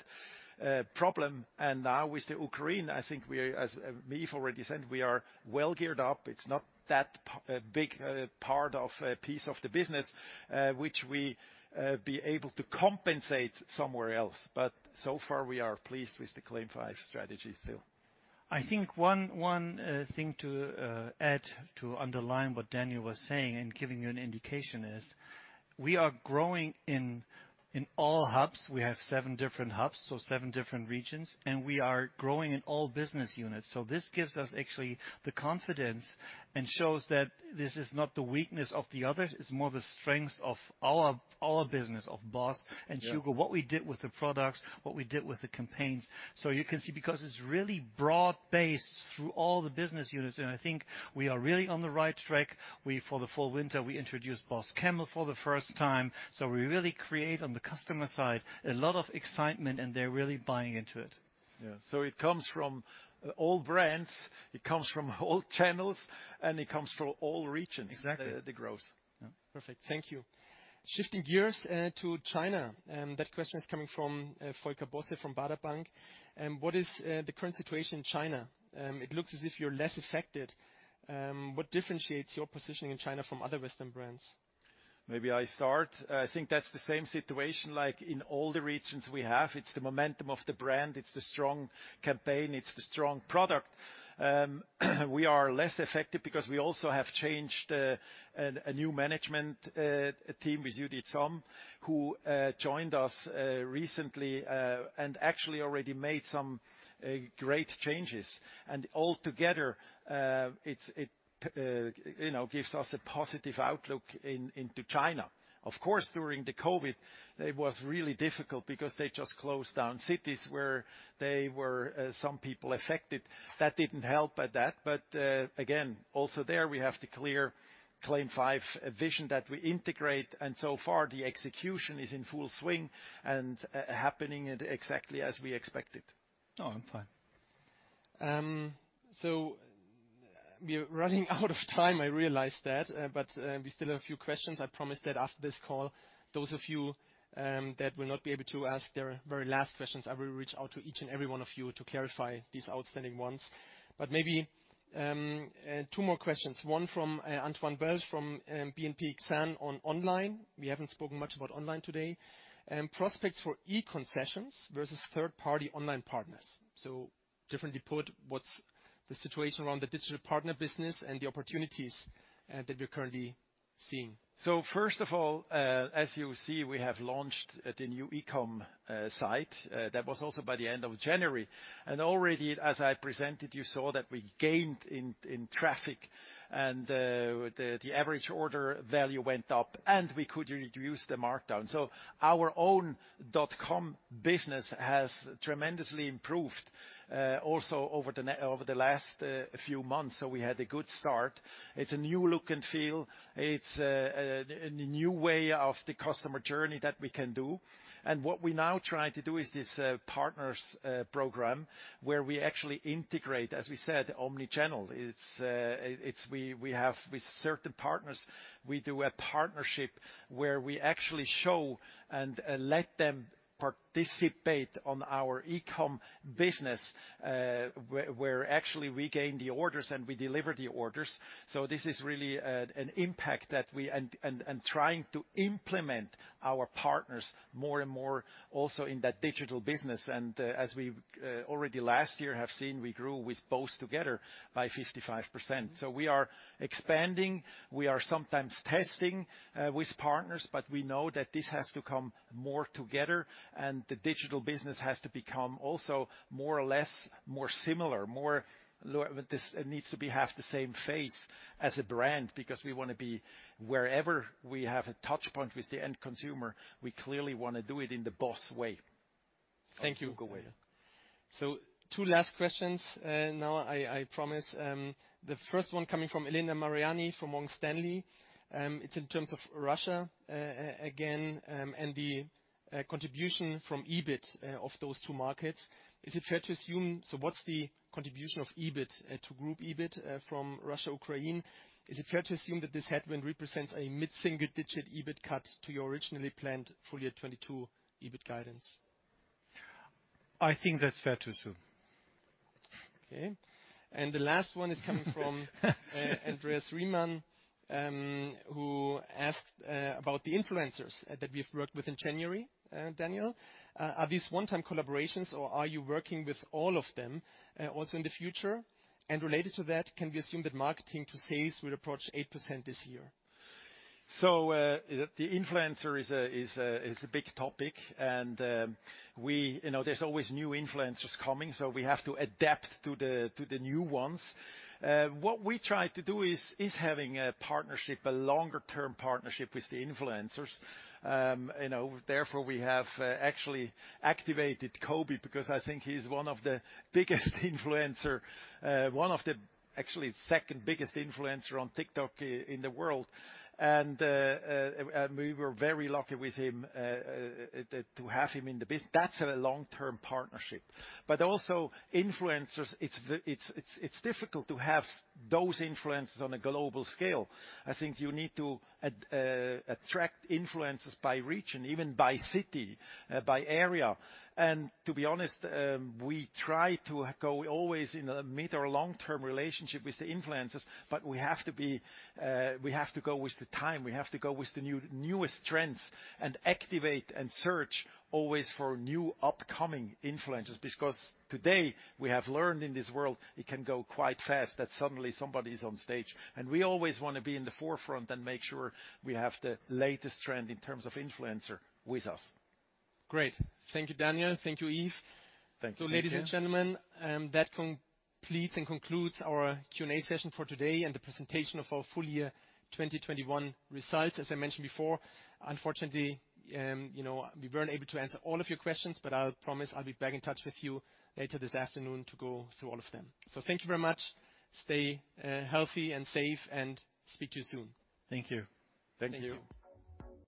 C: problem. Now with the Ukraine, I think we, as Yves already said, we are well geared up. It's not that big part of piece of the business which we be able to compensate somewhere else. So far, we are pleased with the CLAIM 5 strategy still.
D: I think one thing to add to underline what Daniel was saying and giving you an indication is we are growing in all hubs. We have seven different hubs, so seven different regions, and we are growing in all business units. This gives us actually the confidence and shows that this is not the weakness of the others, it's more the strengths of our business of BOSS HUGO. What we did with the products, what we did with the campaigns. You can see because it's really broad-based through all the business units, and I think we are really on the right track. We, for the fall/winter, introduced BOSS Camel for the first time. We really create on the customer side a lot of excitement, and they're really buying into it.
C: Yeah. It comes from all brands, it comes from all channels, and it comes from all regions.
D: Exactly.
C: the growth.
D: Yeah.
A: Perfect. Thank you. Shifting gears to China, and that question is coming from Volker Bosse from Baader Bank. What is the current situation in China? It looks as if you're less affected. What differentiates your positioning in China from other Western brands?
C: Maybe I start. I think that's the same situation like in all the regions we have. It's the momentum of the brand. It's the strong campaign. It's the strong product. We are less affected because we also have changed a new management team with Judith Sun, who joined us recently, and actually already made some great changes. Altogether, it you know gives us a positive outlook into China. Of course, during the COVID, it was really difficult because they just closed down cities where there were some people affected. That didn't help at that. Again, also there we have the clear CLAIM 5 vision that we integrate. So far, the execution is in full swing and happening exactly as we expected.
D: No, I'm fine.
A: We're running out of time, I realize that, but we still have a few questions. I promise that after this call, those of you that will not be able to ask their very last questions, I will reach out to each and every one of you to clarify these outstanding ones. Maybe two more questions. One from Antoine Belge from BNP Paribas Exane on online. We haven't spoken much about online today. Prospects for e-concessions versus third-party online partners. Differently put, what's the situation around the digital partner business and the opportunities that you're currently pursuing?
C: First of all, as you see, we have launched the new e-com site. That was also by the end of January. Already, as I presented, you saw that we gained in traffic and the average order value went up and we could reduce the markdown. Our own dot-com business has tremendously improved also over the last few months. We had a good start. It's a new look and feel. It's a new way of the customer journey that we can do. What we now try to do is this partners program where we actually integrate, as we said, Omnichannel. We have with certain partners, we do a partnership where we actually show and let them participate on our e-com business, where actually we gain the orders and we deliver the orders. This is really an impact that we are trying to implement our partners more and more also in that digital business. As we already last year have seen, we grew with BOSS together by 55%. We are expanding. We are sometimes testing with partners, but we know that this has to come more together and the digital business has to become also more or less similar. This needs to have the same face as a brand because we wanna be wherever we have a touchpoint with the end consumer, we clearly wanna do it in the BOSS way.
A: Thank you. Two last questions, now I promise. The first one coming from Elena Mariani, from Morgan Stanley. It's in terms of Russia, again, and the contribution from EBIT of those two markets. What's the contribution of EBIT to group EBIT from Russia, Ukraine? Is it fair to assume that this headwind represents a mid-single digit EBIT cut to your originally planned full year 2022 EBIT guidance?
C: I think that's fair to assume.
A: Okay. The last one is coming from Andreas Riemann, who asked about the influencers that we've worked with in January, Daniel. Are these one-time collaborations or are you working with all of them also in the future? Related to that, can we assume that marketing to sales will approach 8% this year?
C: The influencer is a big topic. We, you know, there's always new influencers coming, so we have to adapt to the new ones. What we try to do is having a partnership, a longer-term partnership with the influencers. You know, therefore, we have actually activated Khaby because I think he's one of the biggest influencer, one of the actually second-biggest influencer on TikTok in the world. We were very lucky with him to have him in the BOSS. That's a long-term partnership. Also influencers, it's difficult to have those influencers on a global scale. I think you need to attract influencers by region, even by city, by area. To be honest, we try to go always in a mid or long-term relationship with the influencers, but we have to be, we have to go with the time. We have to go with the new, newest trends and activate and search always for new upcoming influencers. Because today we have learned in this world it can go quite fast that suddenly somebody's on stage. We always wanna be in the forefront and make sure we have the latest trend in terms of influencer with us.
A: Great. Thank you, Daniel. Thank you, Yves.
C: Thank you.
A: Ladies and gentlemen, that completes and concludes our Q&A session for today and the presentation of our full year 2021 results. As I mentioned before, unfortunately, you know, we weren't able to answer all of your questions, but I'll promise I'll be back in touch with you later this afternoon to go through all of them. Thank you very much. Stay healthy and safe, and speak to you soon.
C: Thank you.
D: Thank you.